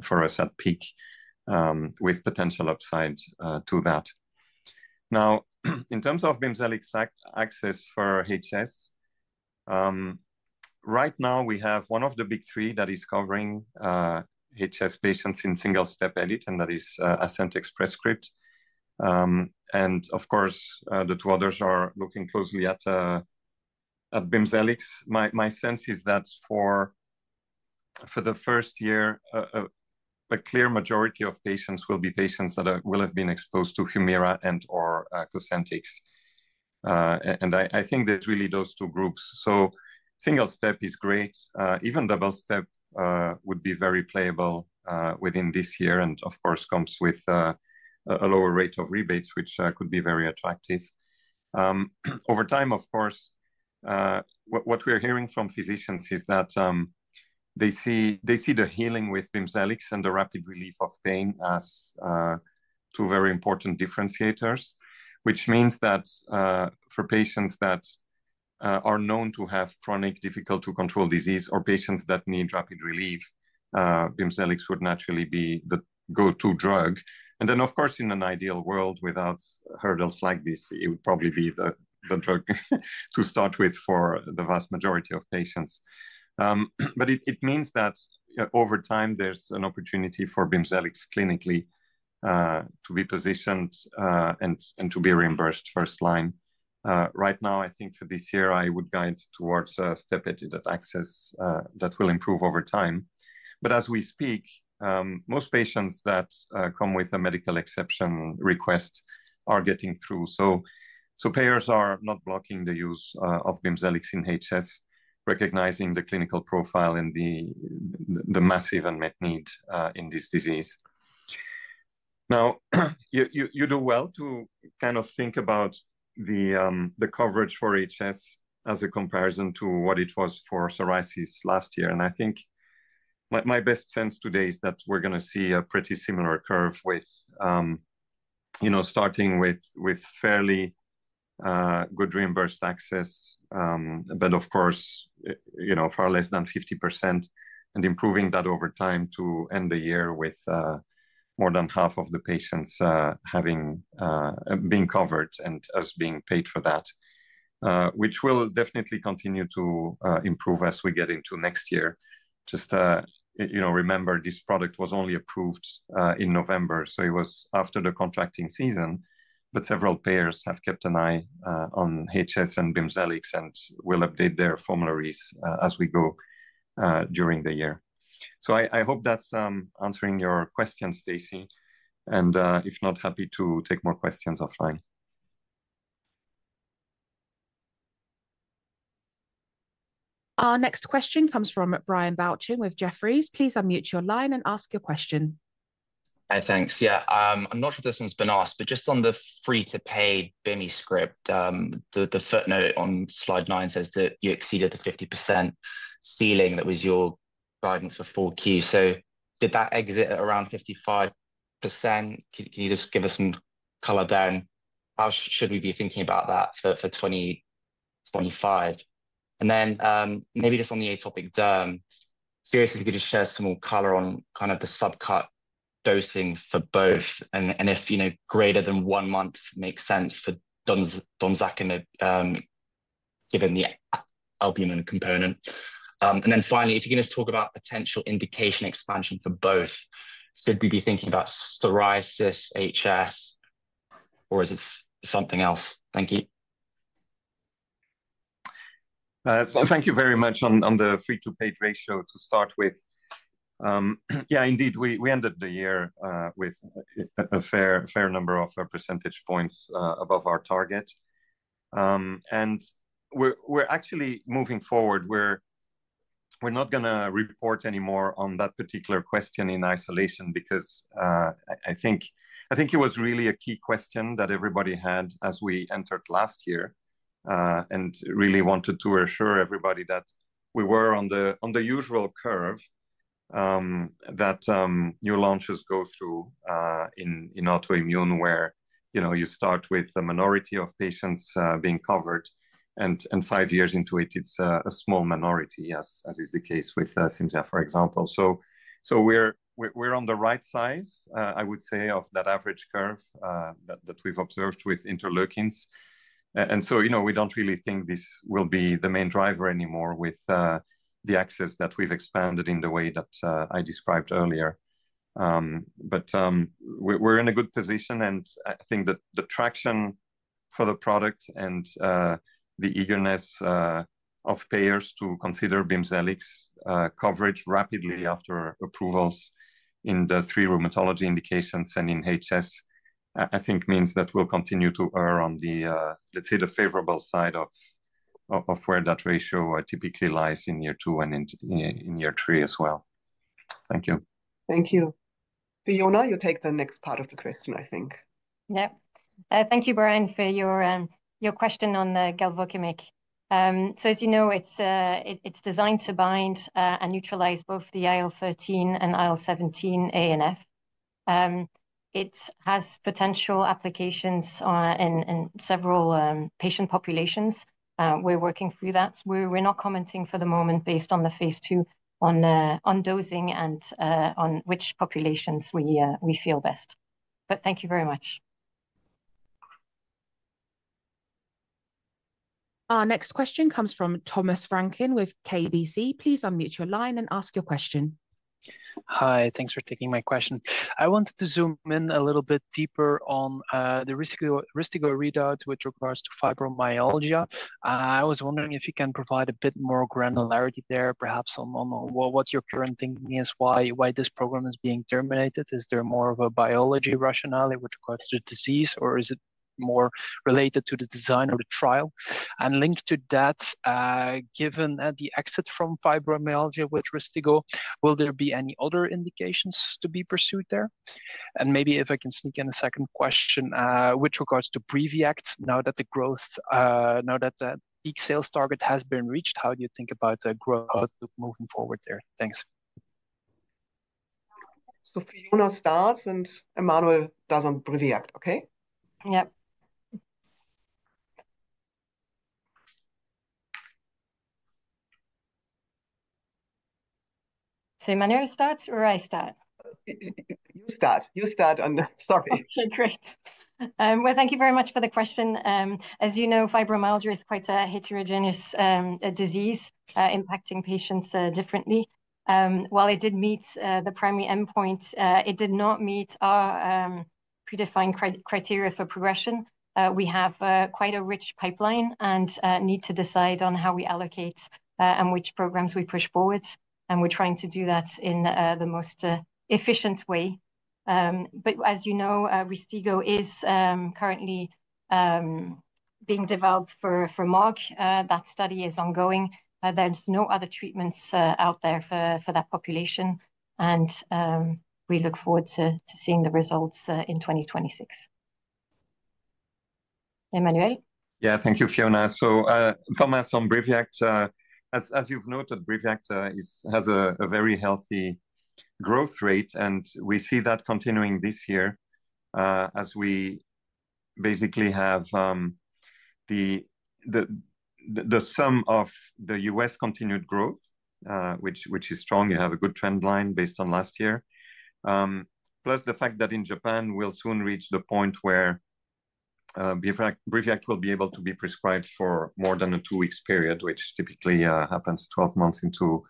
for us at peak with potential upside to that. Now, in terms of BIMZELX's access for HS, right now, we have one of the big three that is covering HS patients in single-step edit, and that is Ascent, Express Scripts, and of course, the two others are looking closely at BIMZELX. My sense is that for the first year, a clear majority of patients will be patients that will have been exposed to Humira and/or Cosentyx, and I think there's really those two groups, so single-step is great. Even double-step would be very playable within this year and, of course, comes with a lower rate of rebates, which could be very attractive. Over time, of course, what we're hearing from physicians is that they see the healing with BIMZELX and the rapid relief of pain as two very important differentiators, which means that for patients that are known to have chronic difficult-to-control disease or patients that need rapid relief, BIMZELX would naturally be the go-to drug. And then, of course, in an ideal world without hurdles like this, it would probably be the drug to start with for the vast majority of patients. But it means that over time, there's an opportunity for BIMZELX clinically to be positioned and to be reimbursed first line. Right now, I think for this year, I would guide towards a step-edited access that will improve over time. But as we speak, most patients that come with a medical exception request are getting through. So payers are not blocking the use of BIMZELX in HS, recognizing the clinical profile and the massive unmet need in this disease. Now, you do well to kind of think about the coverage for HS as a comparison to what it was for psoriasis last year. And I think my best sense today is that we're going to see a pretty similar curve with starting with fairly good reimbursed access, but of course, far less than 50%, and improving that over time to end the year with more than half of the patients being covered and us being paid for that, which will definitely continue to improve as we get into next year. Just remember, this product was only approved in November, so it was after the contracting season, but several payers have kept an eye on HS and BIMZELX and will update their formularies as we go during the year. So I hope that's answering your questions, Stacy. And if not, happy to take more questions offline. Our next question comes from Brian Balchin with Jefferies. Please unmute your line and ask your question. Hi, thanks. Yeah, I'm not sure if this one's been asked, but just on the free-to-pay BIMZELX script, the footnote on Slide 9 says that you exceeded the 50% ceiling that was your guidance for 4Q. So did that exit at around 55%? Can you just give us some color there? And how should we be thinking about that for 2025? Then maybe just on the atopic derm, psoriasis, if you could just share some more color on kind of the subcut dosing for both and if greater than one month makes sense for donzakimig given the albumin component. And then finally, if you can just talk about potential indication expansion for both, should we be thinking about psoriasis HS or is it something else? Thank you. Thank you very much on the free-to-pay ratio to start with. Yeah, indeed, we ended the year with a fair number of percentage points above our target. And we're actually moving forward. We're not going to report anymore on that particular question in isolation because I think it was really a key question that everybody had as we entered last year and really wanted to assure everybody that we were on the usual curve that new launches go through in autoimmune where you start with a minority of patients being covered. And five years into it, it's a small minority, as is the case with Cimzia, for example. So we're on the right side, I would say, of that average curve that we've observed with interleukins. And so we don't really think this will be the main driver anymore with the access that we've expanded in the way that I described earlier. But we're in a good position, and I think that the traction for the product and the eagerness of payers to consider Bimzelx coverage rapidly after approvals in the three rheumatology indications and in HS, I think, means that we'll continue to err on the, let's say, the favorable side of where that ratio typically lies in year two and in year three as well. Thank you. Thank you. Fiona, you take the next part of the question, I think. Yeah. Thank you, Brian, for your question on the galvokimig. So as you know, it's designed to bind and neutralize both the IL-13 and IL-17A and IL-17F. It has potential applications in several patient populations. We're working through that. We're not commenting for the moment based on the phase two on dosing and on which populations we feel best. But thank you very much. Our next question comes from Thomas Vranken with KBC. Please unmute your line and ask your question. Hi, thanks for taking my question. I wanted to zoom in a little bit deeper on the risks you already had with regards to fibromyalgia. I was wondering if you can provide a bit more granularity there, perhaps on what your current thinking is, why this program is being terminated. Is there more of a biology rationale with regards to the disease, or is it more related to the design of the trial? And linked to that, given the exit from fibromyalgia with RYSTIGGO, will there be any other indications to be pursued there? And maybe if I can sneak in a second question with regards to BRIVIACT. Now that the peak sales target has been reached, how do you think about the growth moving forward there? Thanks. Fiona starts and Emmanuel does on BRIVIACT. Okay? Yep. Emmanuel starts or I start? You start. You start. Okay, great. Well, thank you very much for the question. As you know, fibromyalgia is quite a heterogeneous disease impacting patients differently. While it did meet the primary endpoint, it did not meet our predefined criteria for progression. We have quite a rich pipeline and need to decide on how we allocate and which programs we push forward, and we're trying to do that in the most efficient way, but as you know, RYSTIGGO is currently being developed for gMG. That study is ongoing. There's no other treatments out there for that population. And we look forward to seeing the results in 2026. Emmanuel? Yeah, thank you, Fiona. So Thomas on BRIVIACT. As you've noted, BRIVIACT has a very healthy growth rate, and we see that continuing this year as we basically have the sum of the U.S. continued growth, which is strong. You have a good trend line based on last year. Plus the fact that in Japan, we'll soon reach the point where BRIVIACT will be able to be prescribed for more than a two-week period, which typically happens 12 months into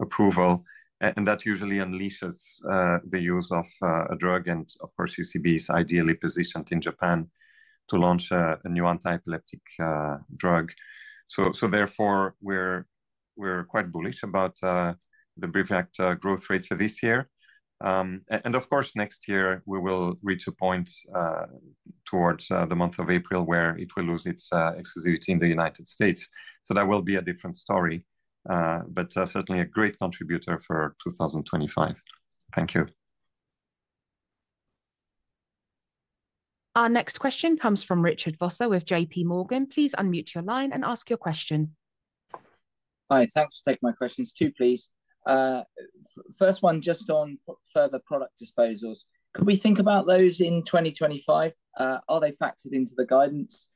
approval. And that usually unleashes the use of a drug. And of course, UCB is ideally positioned in Japan to launch a new anti-epileptic drug. So therefore, we're quite bullish about the BRIVIACT growth rate for this year. And of course, next year, we will reach a point towards the month of April where it will lose its exclusivity in the United States. So that will be a different story, but certainly a great contributor for 2025. Thank you. Our next question comes from Richard Vosser with J.P. Morgan. Please unmute your line and ask your question. Hi, thanks for taking my questions. Two, please. First one, just on further product disposals. Could we think about those in 2025? Are they factored into the guidance?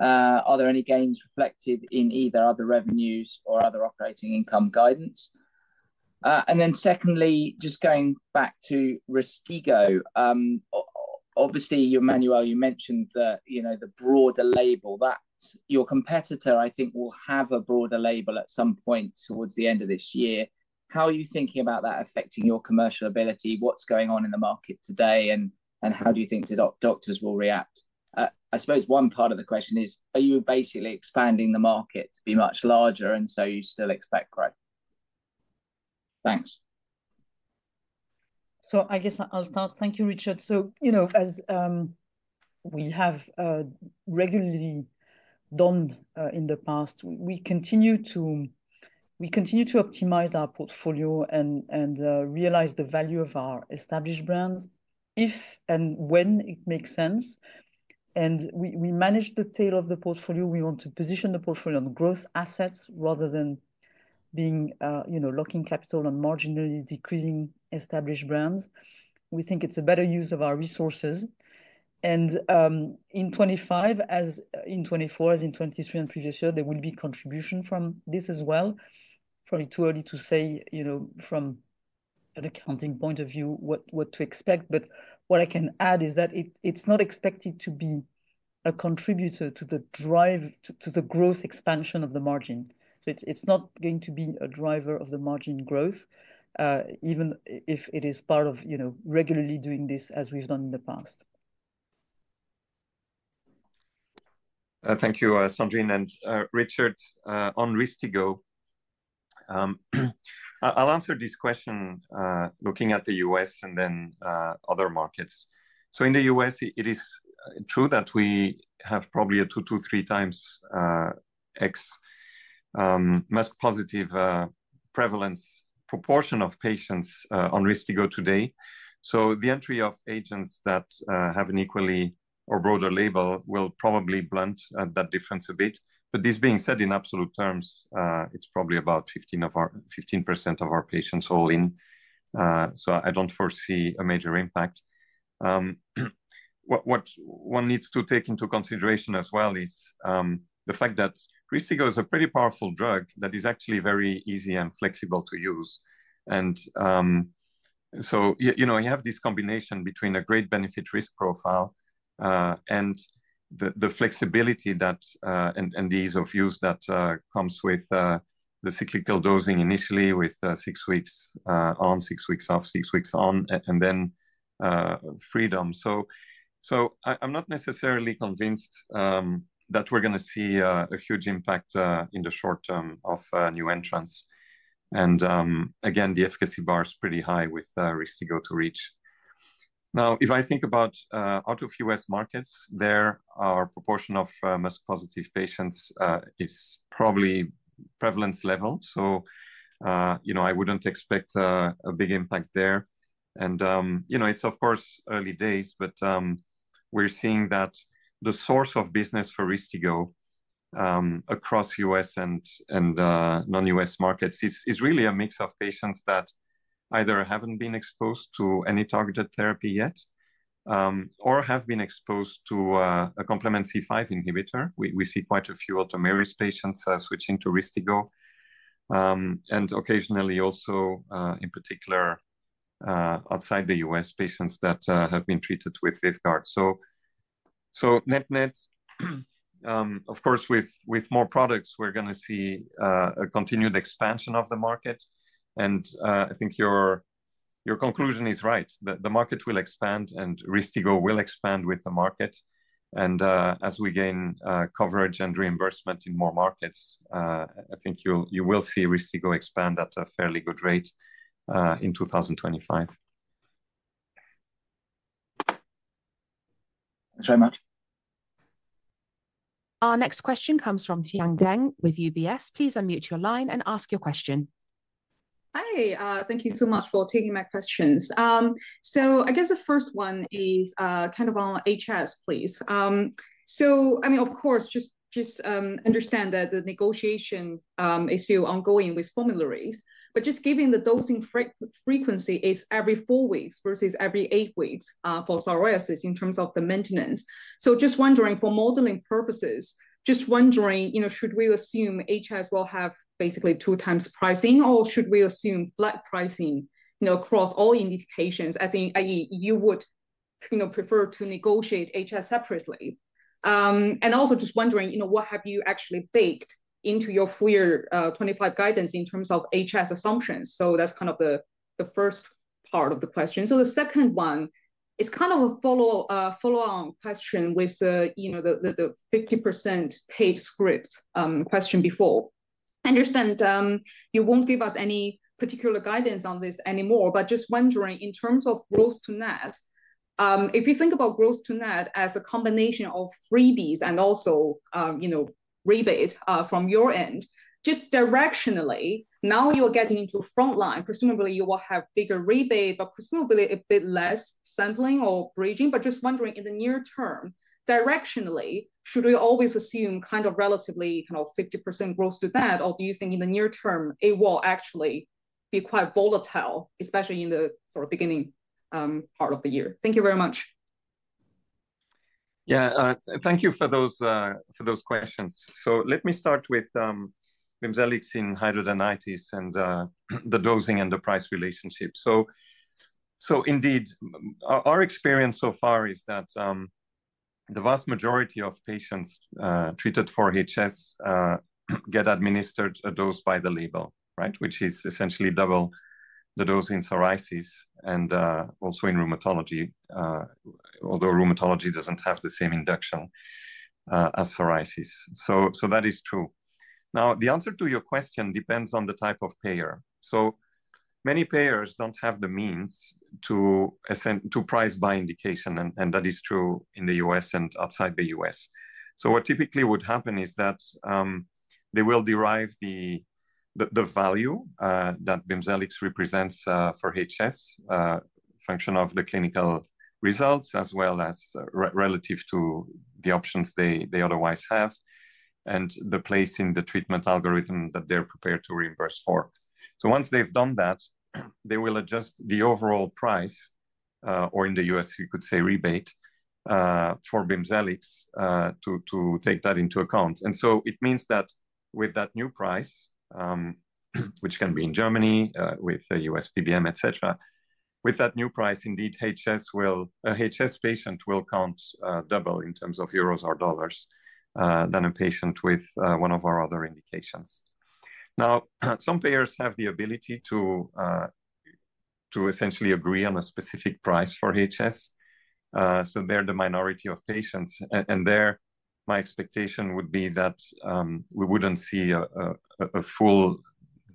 Are there any gains reflected in either other revenues or other operating income guidance? And then secondly, just going back to RYSTIGGO, obviously, Emmanuel, you mentioned the broader label. Your competitor, I think, will have a broader label at some point towards the end of this year. How are you thinking about that affecting your commercial ability? What's going on in the market today, and how do you think doctors will react? I suppose one part of the question is, are you basically expanding the market to be much larger and so you still expect growth? Thanks. So I guess I'll start. Thank you, Richard. So as we have regularly done in the past, we continue to optimize our portfolio and realize the value of our established brands if and when it makes sense. And we manage the tail of the portfolio. We want to position the portfolio on growth assets rather than locking capital and marginally decreasing established brands. We think it's a better use of our resources. And in 2024, as in 2023 and previous year, there will be contribution from this as well. Probably too early to say from an accounting point of view what to expect. But what I can add is that it's not expected to be a contributor to the growth expansion of the margin. So it's not going to be a driver of the margin growth, even if it is part of regularly doing this as we've done in the past. Thank you, Sandrine and Richard. On RYSTIGGO, I'll answer this question looking at the U.S. and then other markets. So in the U.S., it is true that we have probably a two- to three-times MuSK-positive prevalence proportion of patients on RYSTIGGO today. So the entry of agents that have an equally or broader label will probably blunt that difference a bit. But this being said, in absolute terms, it's probably about 15% of our patients all in. So I don't foresee a major impact. What one needs to take into consideration as well is the fact that RYSTIGGO is a pretty powerful drug that is actually very easy and flexible to use. And so you have this combination between a great benefit-risk profile and the flexibility and the ease of use that comes with the cyclical dosing initially with six weeks on, six weeks off, six weeks on, and then freedom. So I'm not necessarily convinced that we're going to see a huge impact in the short term of new entrants. And again, the efficacy bar is pretty high with RYSTIGGO to reach. Now, if I think about out-of-U.S. markets, there are a proportion of MuSK-positive patients is probably prevalence level. So I wouldn't expect a big impact there. And it's, of course, early days, but we're seeing that the source of business for RYSTIGGO across U.S. and non-U.S. markets is really a mix of patients that either haven't been exposed to any targeted therapy yet or have been exposed to a complement C5 inhibitor. We see quite a few autoimmune patients switching to RYSTIGGO. And occasionally, also in particular, outside the U.S., patients that have been treated with VYVGART. So net-net, of course, with more products, we're going to see a continued expansion of the market. And I think your conclusion is right. The market will expand and RYSTIGGO will expand with the market. And as we gain coverage and reimbursement in more markets, I think you will see RYSTIGGO expand at a fairly good rate in 2025. Thanks very much. Our next question comes from Xian Deng with UBS. Please unmute your line and ask your question. Hi. Thank you so much for taking my questions. So I guess the first one is kind of on HS, please. So I mean, of course, just understand that the negotiation is still ongoing with formularies. But just given the dosing frequency is every four weeks versus every eight weeks for psoriasis in terms of the maintenance. So just wondering for modeling purposes, just wondering, should we assume HS will have basically two-times pricing, or should we assume flat pricing across all indications, as in you would prefer to negotiate HS separately? And also just wondering, what have you actually baked into your FY 2025 guidance in terms of HS assumptions? So that's kind of the first part of the question. So the second one is kind of a follow-on question with the 50% paid script question before. I understand you won't give us any particular guidance on this anymore, but just wondering in terms of gross to net, if you think about gross to net as a combination of freebies and also rebate from your end, just directionally, now you're getting into frontline, presumably you will have bigger rebate, but presumably a bit less sampling or bridging. But just wondering in the near term, directionally, should we always assume kind of relatively kind of 50% gross to net, or do you think in the near term, it will actually be quite volatile, especially in the sort of beginning part of the year? Thank you very much. Yeah, thank you for those questions. So let me start with BIMZELX in hidradenitis and the dosing and the price relationship. So indeed, our experience so far is that the vast majority of patients treated for HS get administered a dose by the label, right, which is essentially double the dose in psoriasis and also in rheumatology, although rheumatology doesn't have the same induction as psoriasis. So that is true. Now, the answer to your question depends on the type of payer. So many payers don't have the means to price by indication, and that is true in the U.S. and outside the U.S. So what typically would happen is that they will derive the value that BIMZELX represents for HS function of the clinical results as well as relative to the options they otherwise have and the place in the treatment algorithm that they're prepared to reimburse for. Once they've done that, they will adjust the overall price, or in the U.S., you could say rebate for BIMZELX to take that into account. It means that with that new price, which can be in Germany with the US PBM, etc., with that new price, indeed, a HS patient will count double in terms of euros or dollars than a patient with one of our other indications. Now, some payers have the ability to essentially agree on a specific price for HS. They're the minority of patients. There, my expectation would be that we wouldn't see a full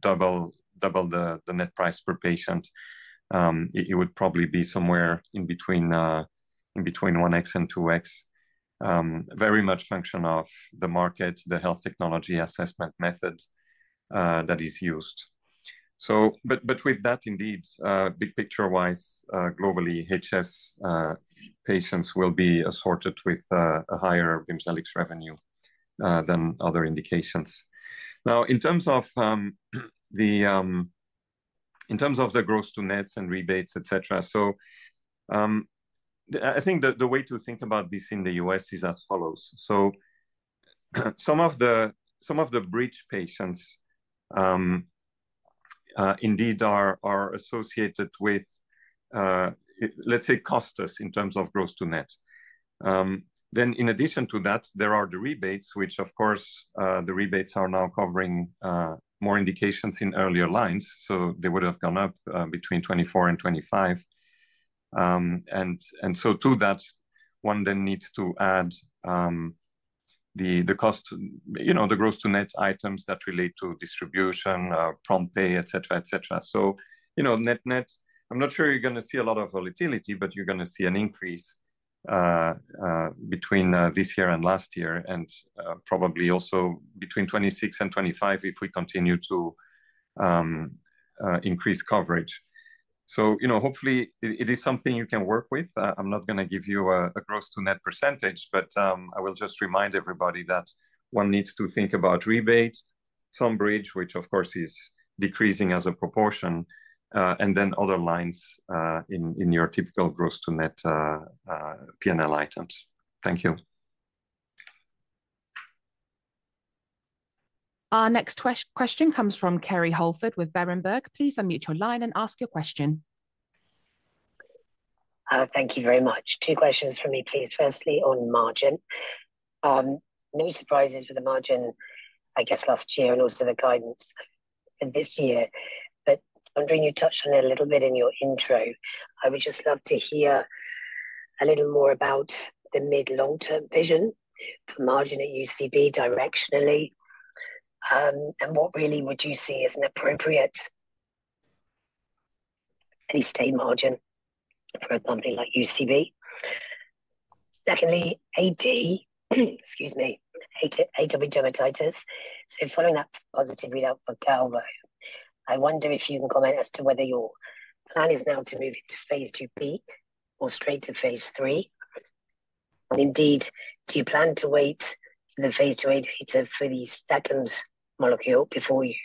double the net price per patient. It would probably be somewhere in between 1x and 2x, very much function of the market, the health technology assessment method that is used. But with that, indeed, big picture-wise, globally, HS patients will be associated with a higher BIMZELX revenue than other indications. Now, in terms of the gross to net and rebates, etc., so I think the way to think about this in the U.S. is as follows. So some of the bridge patients indeed are associated with, let's say, cost us in terms of gross to net. Then, in addition to that, there are the rebates, which, of course, the rebates are now covering more indications in earlier lines. So they would have gone up between 2024 and 2025. And so to that, one then needs to add the gross to net items that relate to distribution, prompt pay, etc., etc. So net-net, I'm not sure you're going to see a lot of volatility, but you're going to see an increase between this year and last year and probably also between 2026 and 2025 if we continue to increase coverage. So hopefully, it is something you can work with. I'm not going to give you a gross-to-net percentage, but I will just remind everybody that one needs to think about rebate, some bridge, which, of course, is decreasing as a proportion, and then other lines in your typical gross to net P&L items. Thank you. Our next question comes from Kerrie Holford with Berenberg. Please unmute your line and ask your question. Thank you very much. Two questions for me, please. Firstly, on margin. No surprises with the margin, I guess, last year and also the guidance this year. Andrea, you touched on it a little bit in your intro. I would just love to hear a little more about the mid-long-term vision for margin at UCB directionally and what really would you see as an appropriate stay margin for a company like UCB. Secondly, AD, excuse me, atopic dermatitis. So following that positive readout for galvokimig, I wonder if you can comment as to whether your plan is now to move into phase IIb or straight to phase III. And indeed, do you plan to wait for the phase two AD for the second molecule before you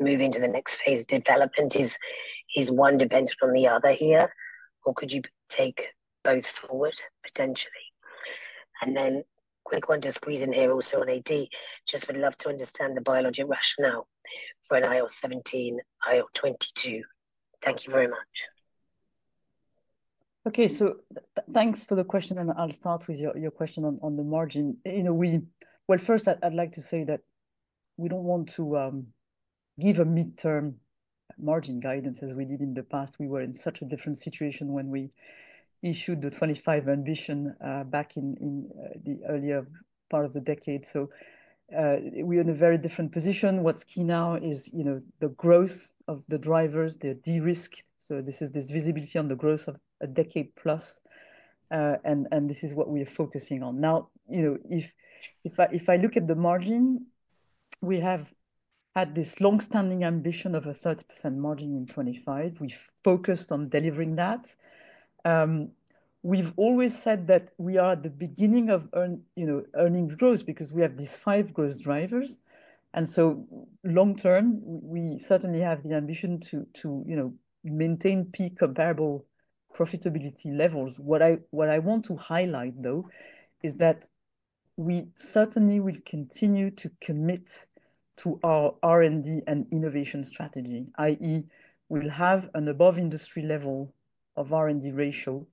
move into the next phase? Development is one dependent on the other here, or could you take both forward potentially? And then quick one to squeeze in here also on AD, just would love to understand the biologic rationale for an IL-17, IL-22. Thank you very much. Okay, so thanks for the question. And I'll start with your question on the margin. Well, first, I'd like to say that we don't want to give a midterm margin guidance as we did in the past. We were in such a different situation when we issued the 2025 ambition back in the earlier part of the decade. So we are in a very different position. What's key now is the growth of the drivers, the de-risk. So this is visibility on the growth of a decade plus. And this is what we are focusing on. Now, if I look at the margin, we have had this long-standing ambition of a 30% margin in 2025. We focused on delivering that. We've always said that we are at the beginning of earnings growth because we have these five growth drivers. And so long-term, we certainly have the ambition to maintain peak comparable profitability levels. What I want to highlight, though, is that we certainly will continue to commit to our R&D and innovation strategy, i.e., we'll have an above-industry level of R&D ratio,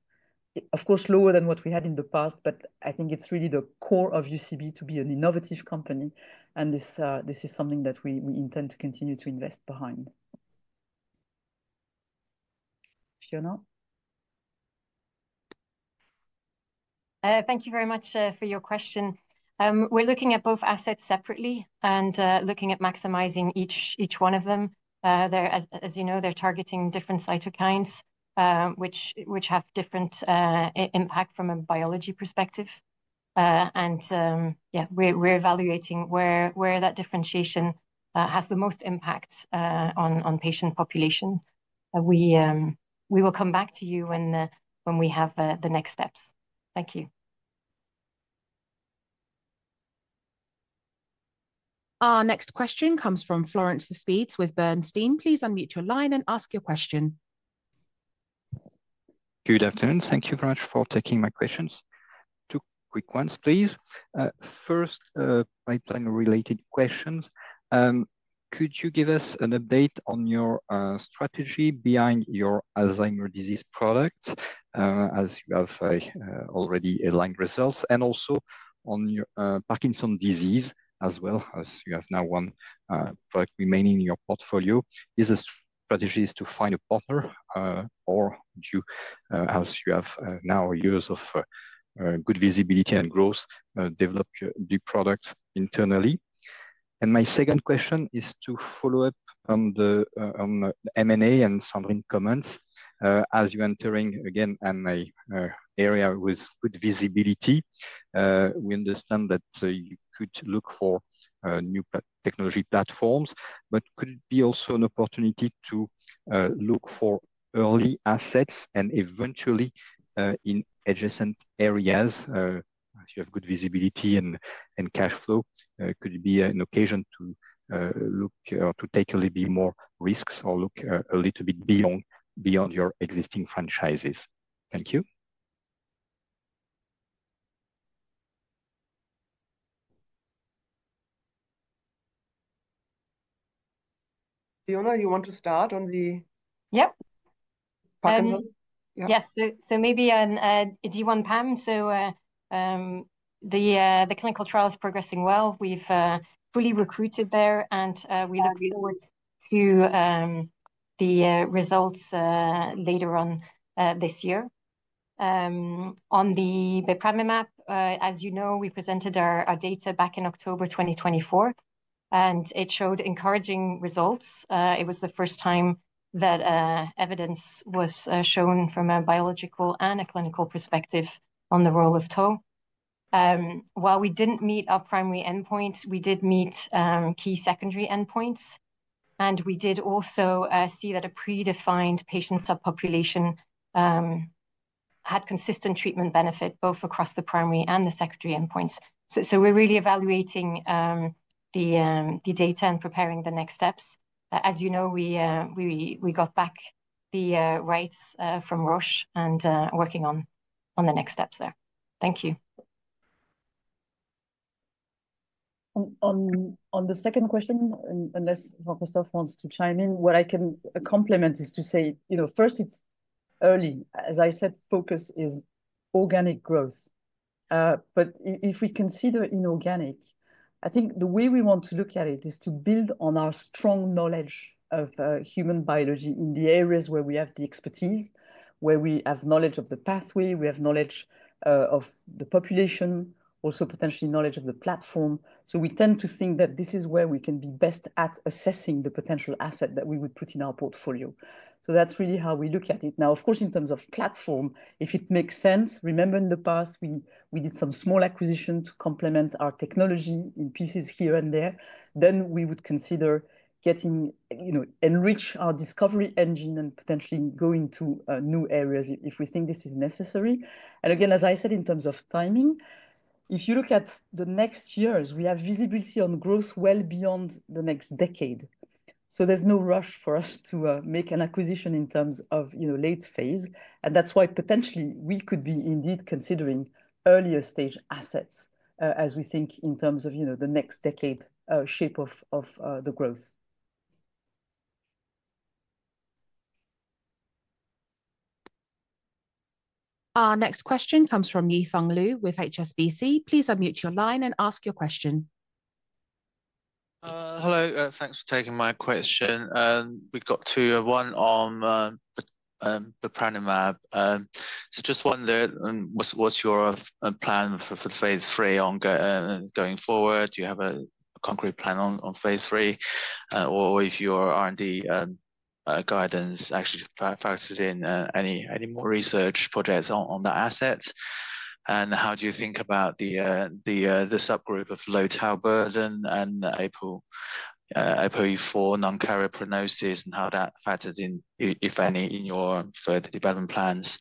of course, lower than what we had in the past, but I think it's really the core of UCB to be an innovative company. And this is something that we intend to continue to invest behind. Fiona? Thank you very much for your question. We're looking at both assets separately and looking at maximizing each one of them. As you know, they're targeting different cytokines, which have different impact from a biology perspective. And yeah, we're evaluating where that differentiation has the most impact on patient population. We will come back to you when we have the next steps. Thank you. Our next question comes from Florent Cespedes with Bernstein. Please unmute your line and ask your question. Good afternoon. Thank you very much for taking my questions. Two quick ones, please. First, pipeline-related questions. Could you give us an update on your strategy behind your Alzheimer's disease product, as you have already aligned results, and also on Parkinson's disease as well, as you have now one product remaining in your portfolio? Is the strategy to find a partner or, as you have now years of good visibility and growth, develop new products internally? And my second question is to follow up on the M&A and Sandrine's comments. As you're entering again in my area with good visibility, we understand that you could look for new technology platforms, but could it be also an opportunity to look for early assets and eventually in adjacent areas? You have good visibility and cash flow. Could it be an occasion to look or to take a little bit more risks or look a little bit beyond your existing franchises? Thank you. Fiona, you want to start on the Parkinson's? Yes. So maybe a D1 PAM. So the clinical trial is progressing well. We've fully recruited there, and we look forward to the results later on this year. On the bepranemab, as you know, we presented our data back in October 2024, and it showed encouraging results. It was the first time that evidence was shown from a biological and a clinical perspective on the role of tau. While we didn't meet our primary endpoints, we did meet key secondary endpoints. And we did also see that a predefined patient subpopulation had consistent treatment benefit both across the primary and the secondary endpoints. So we're really evaluating the data and preparing the next steps. As you know, we got back the rights from Roche and working on the next steps there. Thank you. On the second question, unless Jean-Christophe wants to chime in, what I can complement is to say, first, it's early. As I said, focus is organic growth. But if we consider inorganic, I think the way we want to look at it is to build on our strong knowledge of human biology in the areas where we have the expertise, where we have knowledge of the pathway, we have knowledge of the population, also potentially knowledge of the platform. So we tend to think that this is where we can be best at assessing the potential asset that we would put in our portfolio. So that's really how we look at it. Now, of course, in terms of platform, if it makes sense, remember in the past, we did some small acquisition to complement our technology in pieces here and there. Then we would consider enriching our discovery engine and potentially going to new areas if we think this is necessary. And again, as I said, in terms of timing, if you look at the next years, we have visibility on growth well beyond the next decade. So there's no rush for us to make an acquisition in terms of late phase. And that's why potentially we could be indeed considering earlier stage assets as we think in terms of the next decade shape of the growth. Our next question comes from Junjie Lu with HSBC. Please unmute your line and ask your question. Hello. Thanks for taking my question. We've got one on bepranemab. So just one there. What's your plan for phase III going forward? Do you have a concrete plan on phase III or if your R&D guidance actually factors in any more research projects on that asset? And how do you think about the subgroup of low-tau burden and APOE4 non-carrier prognosis and how that factors in, if any, in your further development plans?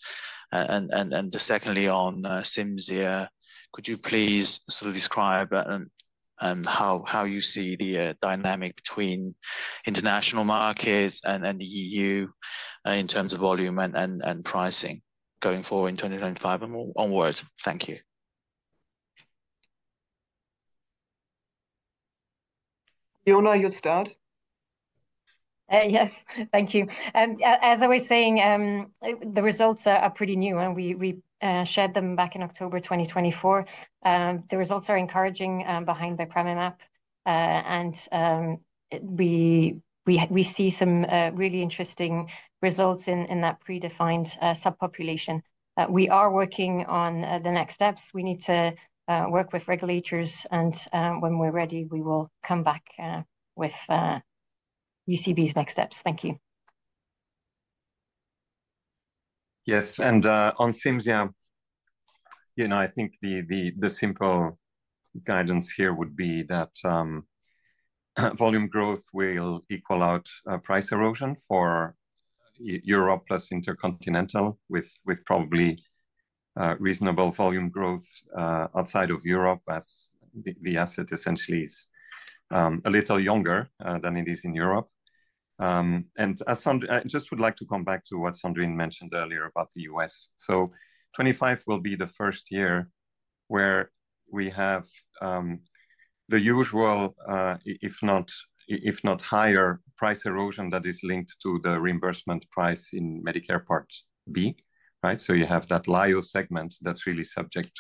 And secondly, on Cimzia, could you please sort of describe how you see the dynamic between international markets and the EU in terms of volume and pricing going forward in 2025 and onwards? Thank you. Fiona, you'll start. Yes, thank you. As I was saying, the results are pretty new, and we shared them back in October 2024. The results are encouraging behind bepranemab. And we see some really interesting results in that predefined subpopulation. We are working on the next steps. We need to work with regulators, and when we're ready, we will come back with UCB's next steps. Thank you. Yes, and on Cimzia, I think the simple guidance here would be that volume growth will equal out price erosion for Europe plus intercontinental with probably reasonable volume growth outside of Europe as the asset essentially is a little younger than it is in Europe. And I just would like to come back to what Sandrine mentioned earlier about the U.S. So 2025 will be the first year where we have the usual, if not higher, price erosion that is linked to the reimbursement price in Medicare Part B, right? So you have that Lyo segment that's really subject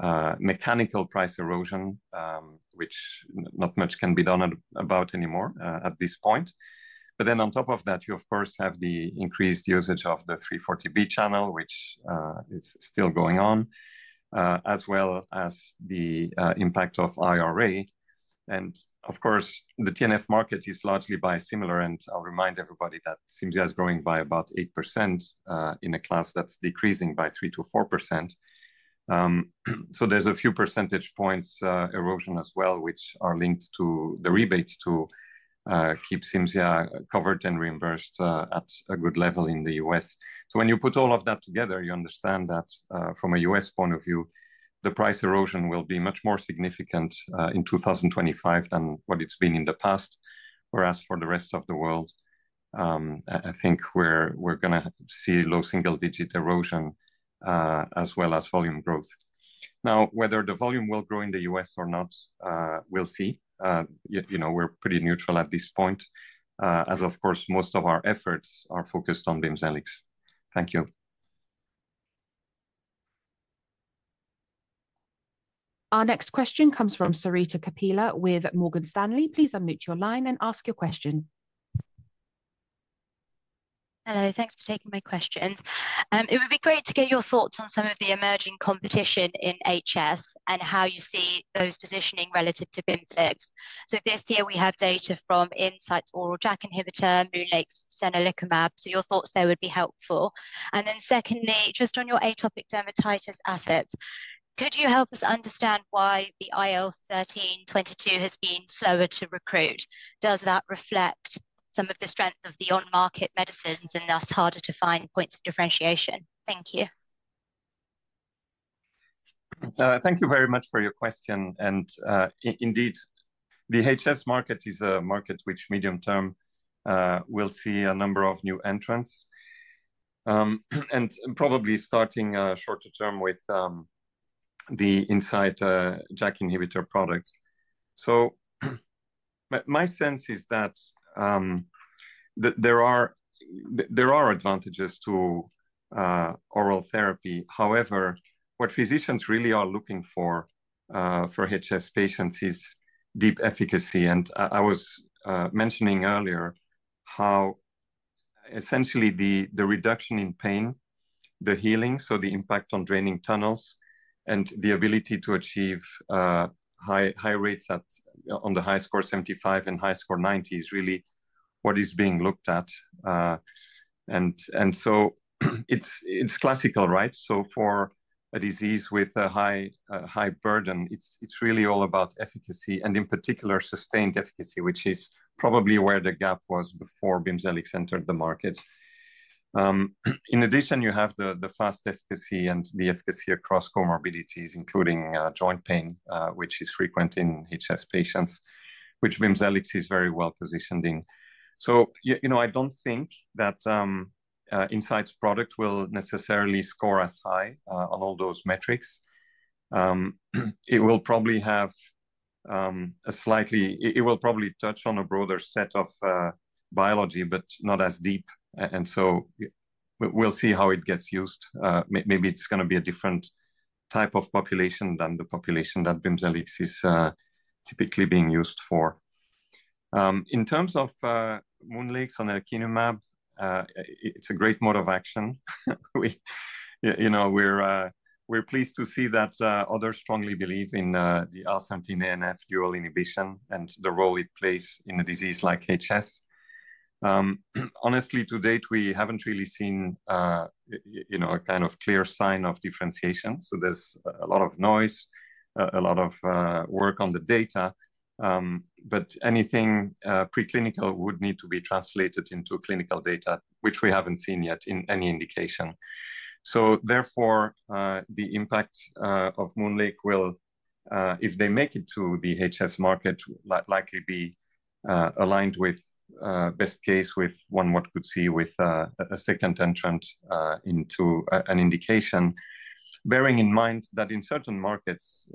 to mechanical price erosion, which not much can be done about anymore at this point. But then on top of that, you, of course, have the increased usage of the 340B channel, which is still going on, as well as the impact of IRA. And of course, the TNF market is largely biosimilar, and I'll remind everybody that Cimzia is growing by about 8% in a class that's decreasing by 3%-4%. So there's a few percentage points erosion as well, which are linked to the rebates to keep Cimzia covered and reimbursed at a good level in the U.S. So when you put all of that together, you understand that from a U.S. point of view, the price erosion will be much more significant in 2025 than what it's been in the past. Whereas for the rest of the world, I think we're going to see low single-digit erosion as well as volume growth. Now, whether the volume will grow in the U.S. or not, we'll see. We're pretty neutral at this point, as of course, most of our efforts are focused on BIMZELX. Thank you. Our next question comes from Sarita Kapila with Morgan Stanley. Please unmute your line and ask your question. Thanks for taking my question. It would be great to get your thoughts on some of the emerging competition in HS and how you see those positioning relative to BIMZELX. So this year, we have data from Incyte's oral JAK inhibitor, MoonLake's sonelokimab. So your thoughts there would be helpful. And then secondly, just on your atopic dermatitis asset, could you help us understand why the IL-13/22 has been slower to recruit? Does that reflect some of the strength of the on-market medicines and thus harder to find points of differentiation? Thank you. Thank you very much for your question. And indeed, the HS market is a market which medium term will see a number of new entrants. And probably starting shorter term with the Incyte JAK inhibitor product. So my sense is that there are advantages to oral therapy. However, what physicians really are looking for for HS patients is deep efficacy. And I was mentioning earlier how essentially the reduction in pain, the healing, so the impact on draining tunnels and the ability to achieve high rates on the HiSCR-75 and HiSCR-90 is really what is being looked at. And so it's classical, right? So for a disease with a high burden, it's really all about efficacy and in particular sustained efficacy, which is probably where the gap was before BIMZELX entered the market. In addition, you have the fast efficacy and the efficacy across comorbidities, including joint pain, which is frequent in HS patients, which BIMZELX is very well positioned in. So I don't think that Incyte's product will necessarily score as high on all those metrics. It will probably touch on a broader set of biology, but not as deep. And so we'll see how it gets used. Maybe it's going to be a different type of population than the population that BIMZELX is typically being used for. In terms of MoonLake's sonelokimab, it's a great mode of action. We're pleased to see that others strongly believe in the IL-17A/F dual inhibition and the role it plays in a disease like HS. Honestly, to date, we haven't really seen a kind of clear sign of differentiation. So there's a lot of noise, a lot of work on the data. But anything preclinical would need to be translated into clinical data, which we haven't seen yet in any indication. So therefore, the impact of MoonLake will, if they make it to the HS market, likely be aligned with best case with one what could see with a second entrant into an indication, bearing in mind that in certain markets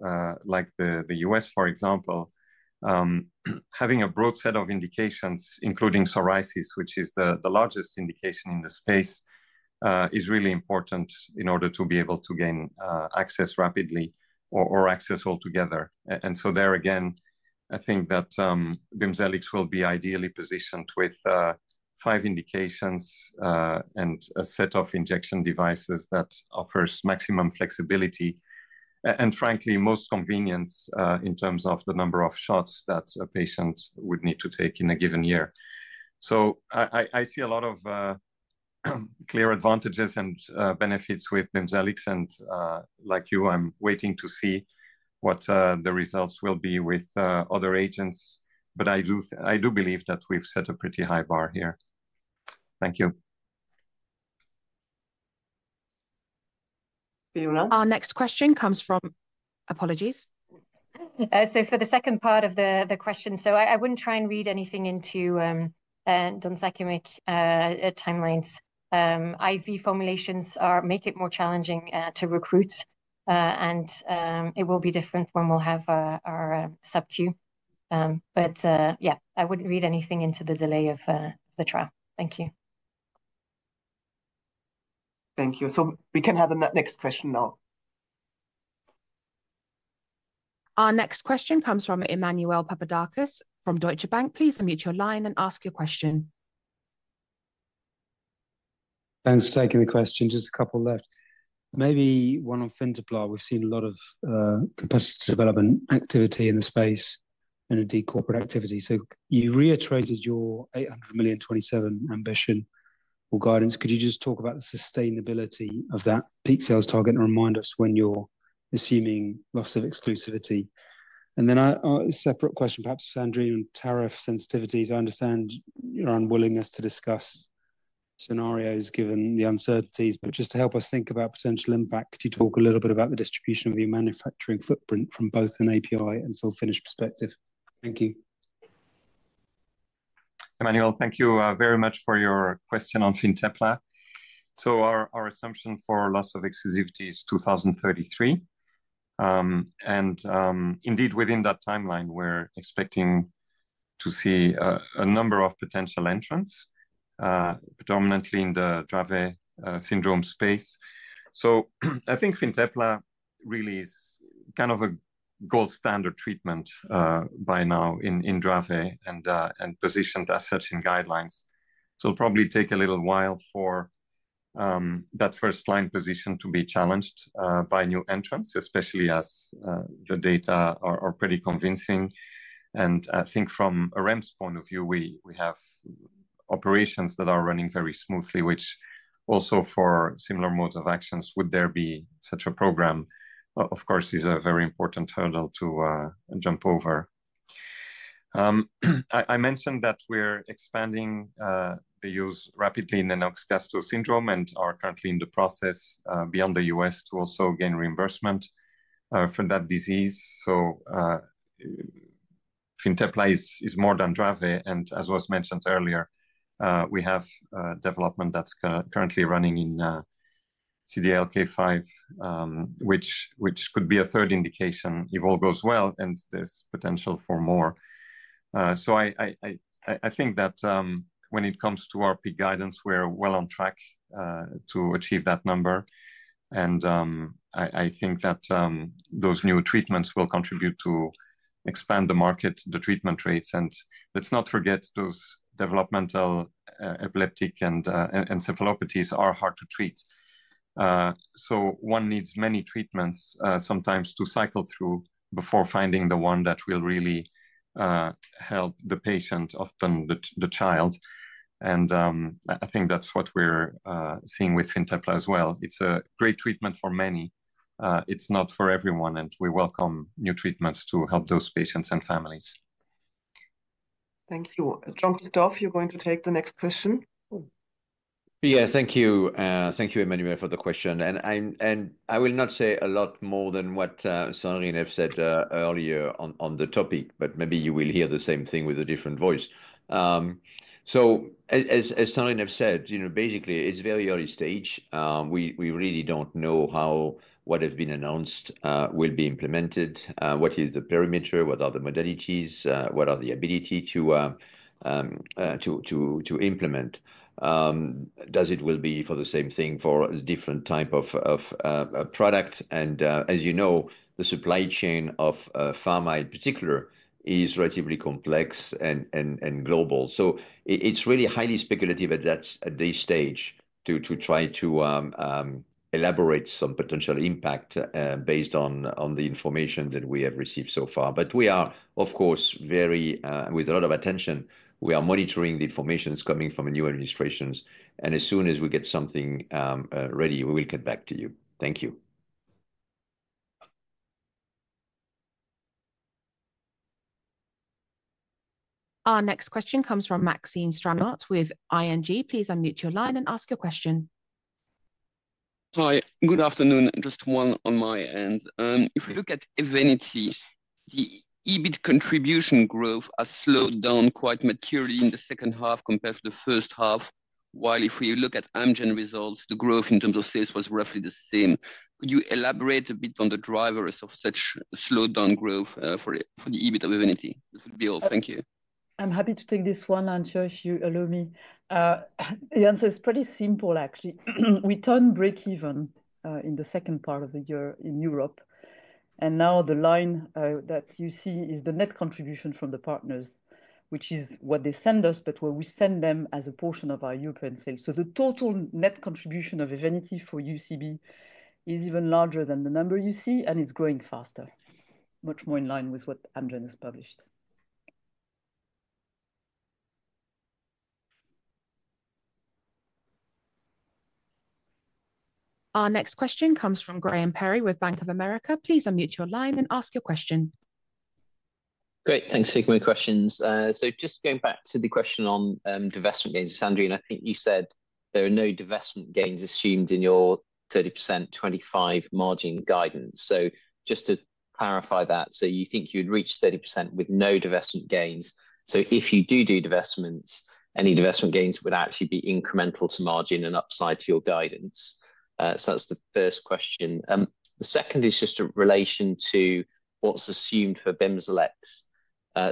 like the U.S., for example, having a broad set of indications, including psoriasis, which is the largest indication in the space, is really important in order to be able to gain access rapidly or access altogether. And so there again, I think that BIMZELX will be ideally positioned with five indications and a set of injection devices that offers maximum flexibility and, frankly, most convenience in terms of the number of shots that a patient would need to take in a given year. So I see a lot of clear advantages and benefits with BIMZELX. And like you, I'm waiting to see what the results will be with other agents. But I do believe that we've set a pretty high bar here. Thank you. Fiona. Our next question comes from, apologies. So for the second part of the question, so I wouldn't try and read anything into donzakimab timelines. IV formulations make it more challenging to recruit. And it will be different when we'll have our subQ. But yeah, I wouldn't read anything into the delay of the trial. Thank you. Thank you. So we can have the next question now. Our next question comes from Emmanuel Papadakis from Deutsche Bank. Please unmute your line and ask your question. Thanks for taking the question. Just a couple left. Maybe one on FINTEPLA. We've seen a lot of competitive development activity in the space and a de-corporate activity. So you reiterated your 800 million 2027 ambition or guidance. Could you just talk about the sustainability of that peak sales target and remind us when you're assuming loss of exclusivity? And then a separate question, perhaps Sandrine, on tariff sensitivities. I understand your unwillingness to discuss scenarios given the uncertainties. But just to help us think about potential impact, could you talk a little bit about the distribution of your manufacturing footprint from both an API and full-finished perspective? Thank you. Emmanuel, thank you very much for your question on FINTEPLA. Our assumption for loss of exclusivity is 2033. And indeed, within that timeline, we're expecting to see a number of potential entrants, predominantly in the Dravet syndrome space. I think FINTEPLA really is kind of a gold standard treatment by now in Dravet and positioned as such in guidelines. It'll probably take a little while for that first line position to be challenged by new entrants, especially as the data are pretty convincing. And I think from a REMS point of view, we have operations that are running very smoothly, which also for similar modes of action, would there be such a program, of course, is a very important hurdle to jump over. I mentioned that we're expanding the use rapidly in the Lennox-Gastaut syndrome and are currently in the process beyond the U.S. to also gain reimbursement for that disease. FINTEPLA is more than Dravet. And as was mentioned earlier, we have development that's currently running in CDKL5, which could be a third indication if all goes well and there's potential for more. So I think that when it comes to our peak guidance, we're well on track to achieve that number. And I think that those new treatments will contribute to expand the market, the treatment rates. And let's not forget those developmental and epileptic encephalopathies are hard to treat. So one needs many treatments sometimes to cycle through before finding the one that will really help the patient, often the child. And I think that's what we're seeing with FINTEPLA as well. It's a great treatment for many. It's not for everyone. And we welcome new treatments to help those patients and families. Thank you. Jean-Christophe, you're going to take the next question. Yeah, thank you. Thank you, Emmanuel, for the question. And I will not say a lot more than what Sandrine has said earlier on the topic, but maybe you will hear the same thing with a different voice. So as Sandrine has said, basically, it's very early stage. We really don't know how what has been announced will be implemented, what is the perimeter, what are the modalities, what are the ability to implement. Does it will be for the same thing for a different type of product? And as you know, the supply chain of pharma in particular is relatively complex and global. So it's really highly speculative at this stage to try to elaborate some potential impact based on the information that we have received so far. But we are, of course, very with a lot of attention. We are monitoring the information coming from new administrations. As soon as we get something ready, we will get back to you. Thank you. Our next question comes from Maxime Stranart with ING. Please unmute your line and ask your question. Hi, good afternoon. Just one on my end. If we look at Evenity, the EBIT contribution growth has slowed down quite materially in the second half compared to the first half. While if we look at Amgen results, the growth in terms of sales was roughly the same. Could you elaborate a bit on the drivers of such slowdown growth for the EBIT of EVENITY? This would be all. Thank you. I'm happy to take this one and show if you allow me. The answer is pretty simple, actually. We turned break-even in the second part of the year in Europe. Now the line that you see is the net contribution from the partners, which is what they send us, but we send them a portion of our European sales. So the total net contribution of Evenity for UCB is even larger than the number you see, and it's growing faster, much more in line with what Amgen has published. Our next question comes from Graham Parry with Bank of America. Please unmute your line and ask your question. Great. Thanks for taking my questions. So just going back to the question on divestment gains, Sandrine, I think you said there are no divestment gains assumed in your 30%, 25% margin guidance. So just to clarify that, so you think you would reach 30% with no divestment gains. So if you do divestments, any divestment gains would actually be incremental to margin and upside to your guidance. That's the first question. The second is just in relation to what's assumed for BIMZELX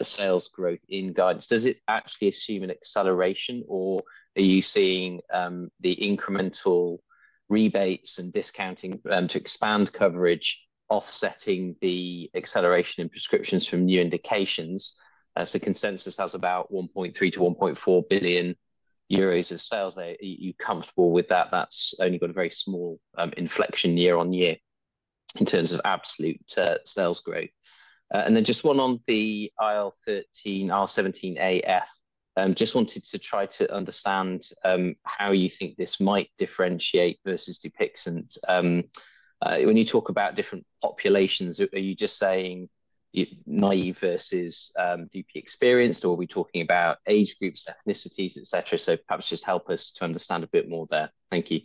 sales growth in guidance. Does it actually assume an acceleration, or are you seeing the incremental rebates and discounting to expand coverage offsetting the acceleration in prescriptions from new indications? Consensus has about 1.3 billion-1.4 billion euros of sales. Are you comfortable with that? That's only got a very small inflection year on year in terms of absolute sales growth. And then just one on the IL-17AF. Just wanted to try to understand how you think this might differentiate versus Cosentyx. And when you talk about different populations, are you just saying naive versus deeply experienced, or are we talking about age groups, ethnicities, etc.? So perhaps just help us to understand a bit more there. Thank you.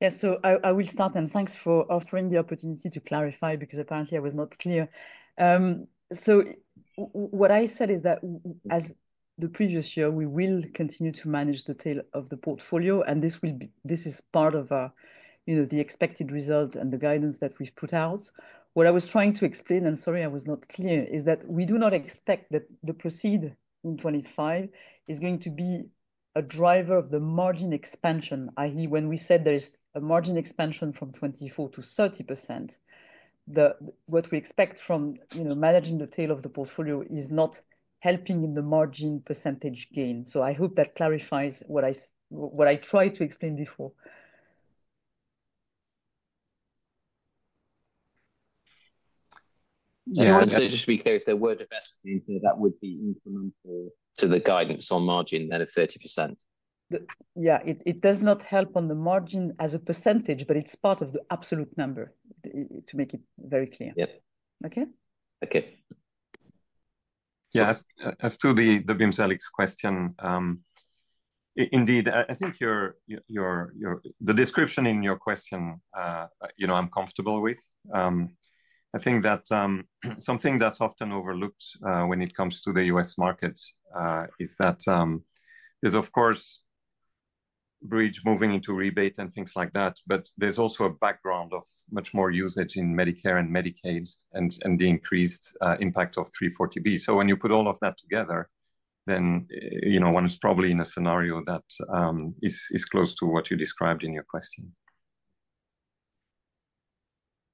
Yeah, so I will start, and thanks for offering the opportunity to clarify because apparently I was not clear. So what I said is that as the previous year, we will continue to manage the tail of the portfolio, and this is part of the expected result and the guidance that we've put out. What I was trying to explain, and sorry, I was not clear, is that we do not expect that the proceeds in 2025 is going to be a driver of the margin expansion. I hear when we said there is a margin expansion from 2024 to 30%, what we expect from managing the tail of the portfolio is not helping in the margin percentage gain. So I hope that clarifies what I tried to explain before. Yeah, and so just to be clear, if there were divestments, that would be incremental to the guidance on margin at 30%. Yeah, it does not help on the margin as a percentage, but it's part of the absolute number to make it very clear. Yep. Okay? Okay. Yeah, as to the BIMZELX question, indeed, I think the description in your question, I'm comfortable with. I think that something that's often overlooked when it comes to the U.S. markets is that there's, of course, bridge moving into rebate and things like that, but there's also a background of much more usage in Medicare and Medicaid and the increased impact of 340B. So when you put all of that together, then one is probably in a scenario that is close to what you described in your question.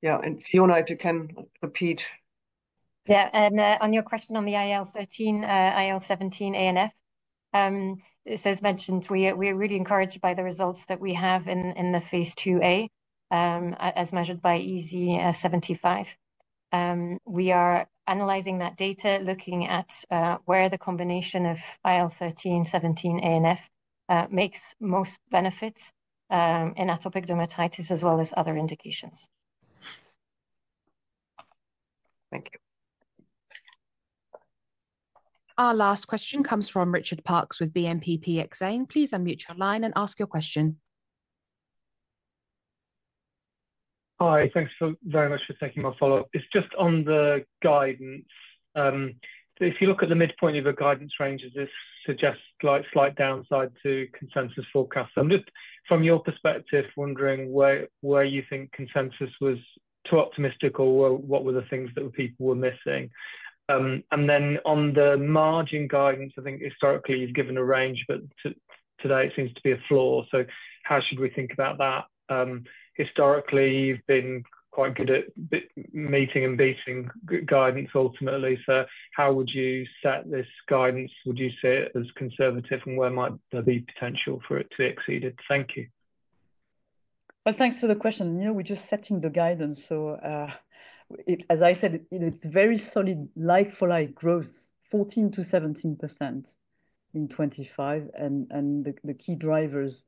Yeah, and Fiona, if you can repeat. Yeah, and on your question on the IL-17AF, so as mentioned, we are really encouraged by the results that we have in the phase IIA as measured by EASI75. We are analyzing that data, looking at where the combination of IL-13, IL-17, and F makes most benefits in atopic dermatitis as well as other indications. Thank you. Our last question comes from Richard Parkes with BNPP Exane. Please unmute your line and ask your question. Hi, thanks very much for taking my follow-up. It's just on the guidance. If you look at the midpoint of a guidance range, this suggests slight downside to consensus forecasts. I'm just, from your perspective, wondering where you think consensus was too optimistic or what were the things that people were missing. And then on the margin guidance, I think historically you've given a range, but today it seems to be a floor. So how should we think about that? Historically, you've been quite good at meeting and beating guidance ultimately. So how would you set this guidance? Would you say it was conservative, and where might there be potential for it to be exceeded? Thank you. Well, thanks for the question. We're just setting the guidance. So as I said, it's very solid like-for-like growth, 14%-17% in 2025. And the key drivers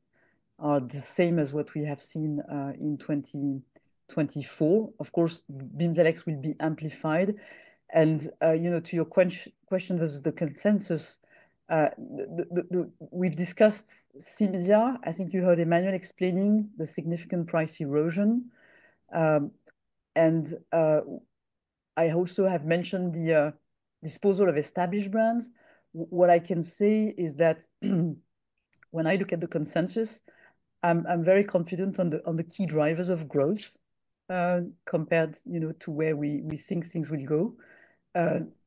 are the same as what we have seen in 2024. Of course, BIMZELX will be amplified. And to your question, the consensus, we've discussed Cimzia. I think you heard Emmanuel explaining the significant price erosion. And I also have mentioned the disposal of established brands. What I can say is that when I look at the consensus, I'm very confident on the key drivers of growth compared to where we think things will go.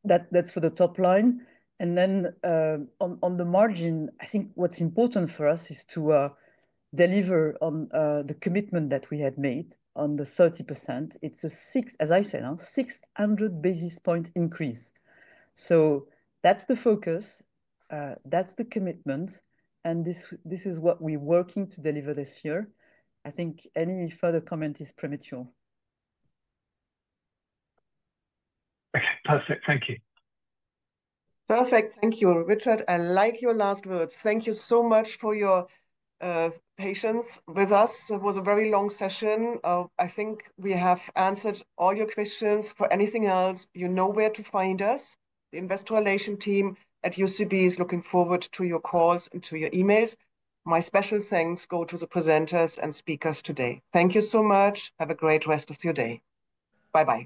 That's for the top line. And then on the margin, I think what's important for us is to deliver on the commitment that we had made on the 30%. It's a, as I said, a 600 basis point increase. So that's the focus. That's the commitment. And this is what we're working to deliver this year. I think any further comment is premature. Perfect. Thank you. Perfect. Thank you, Richard. I like your last words. Thank you so much for your patience with us. It was a very long session. I think we have answered all your questions. For anything else, you know where to find us. The Investor Relations team at UCB is looking forward to your calls and to your emails. My special thanks go to the presenters and speakers today. Thank you so much. Have a great rest of your day. Bye-bye.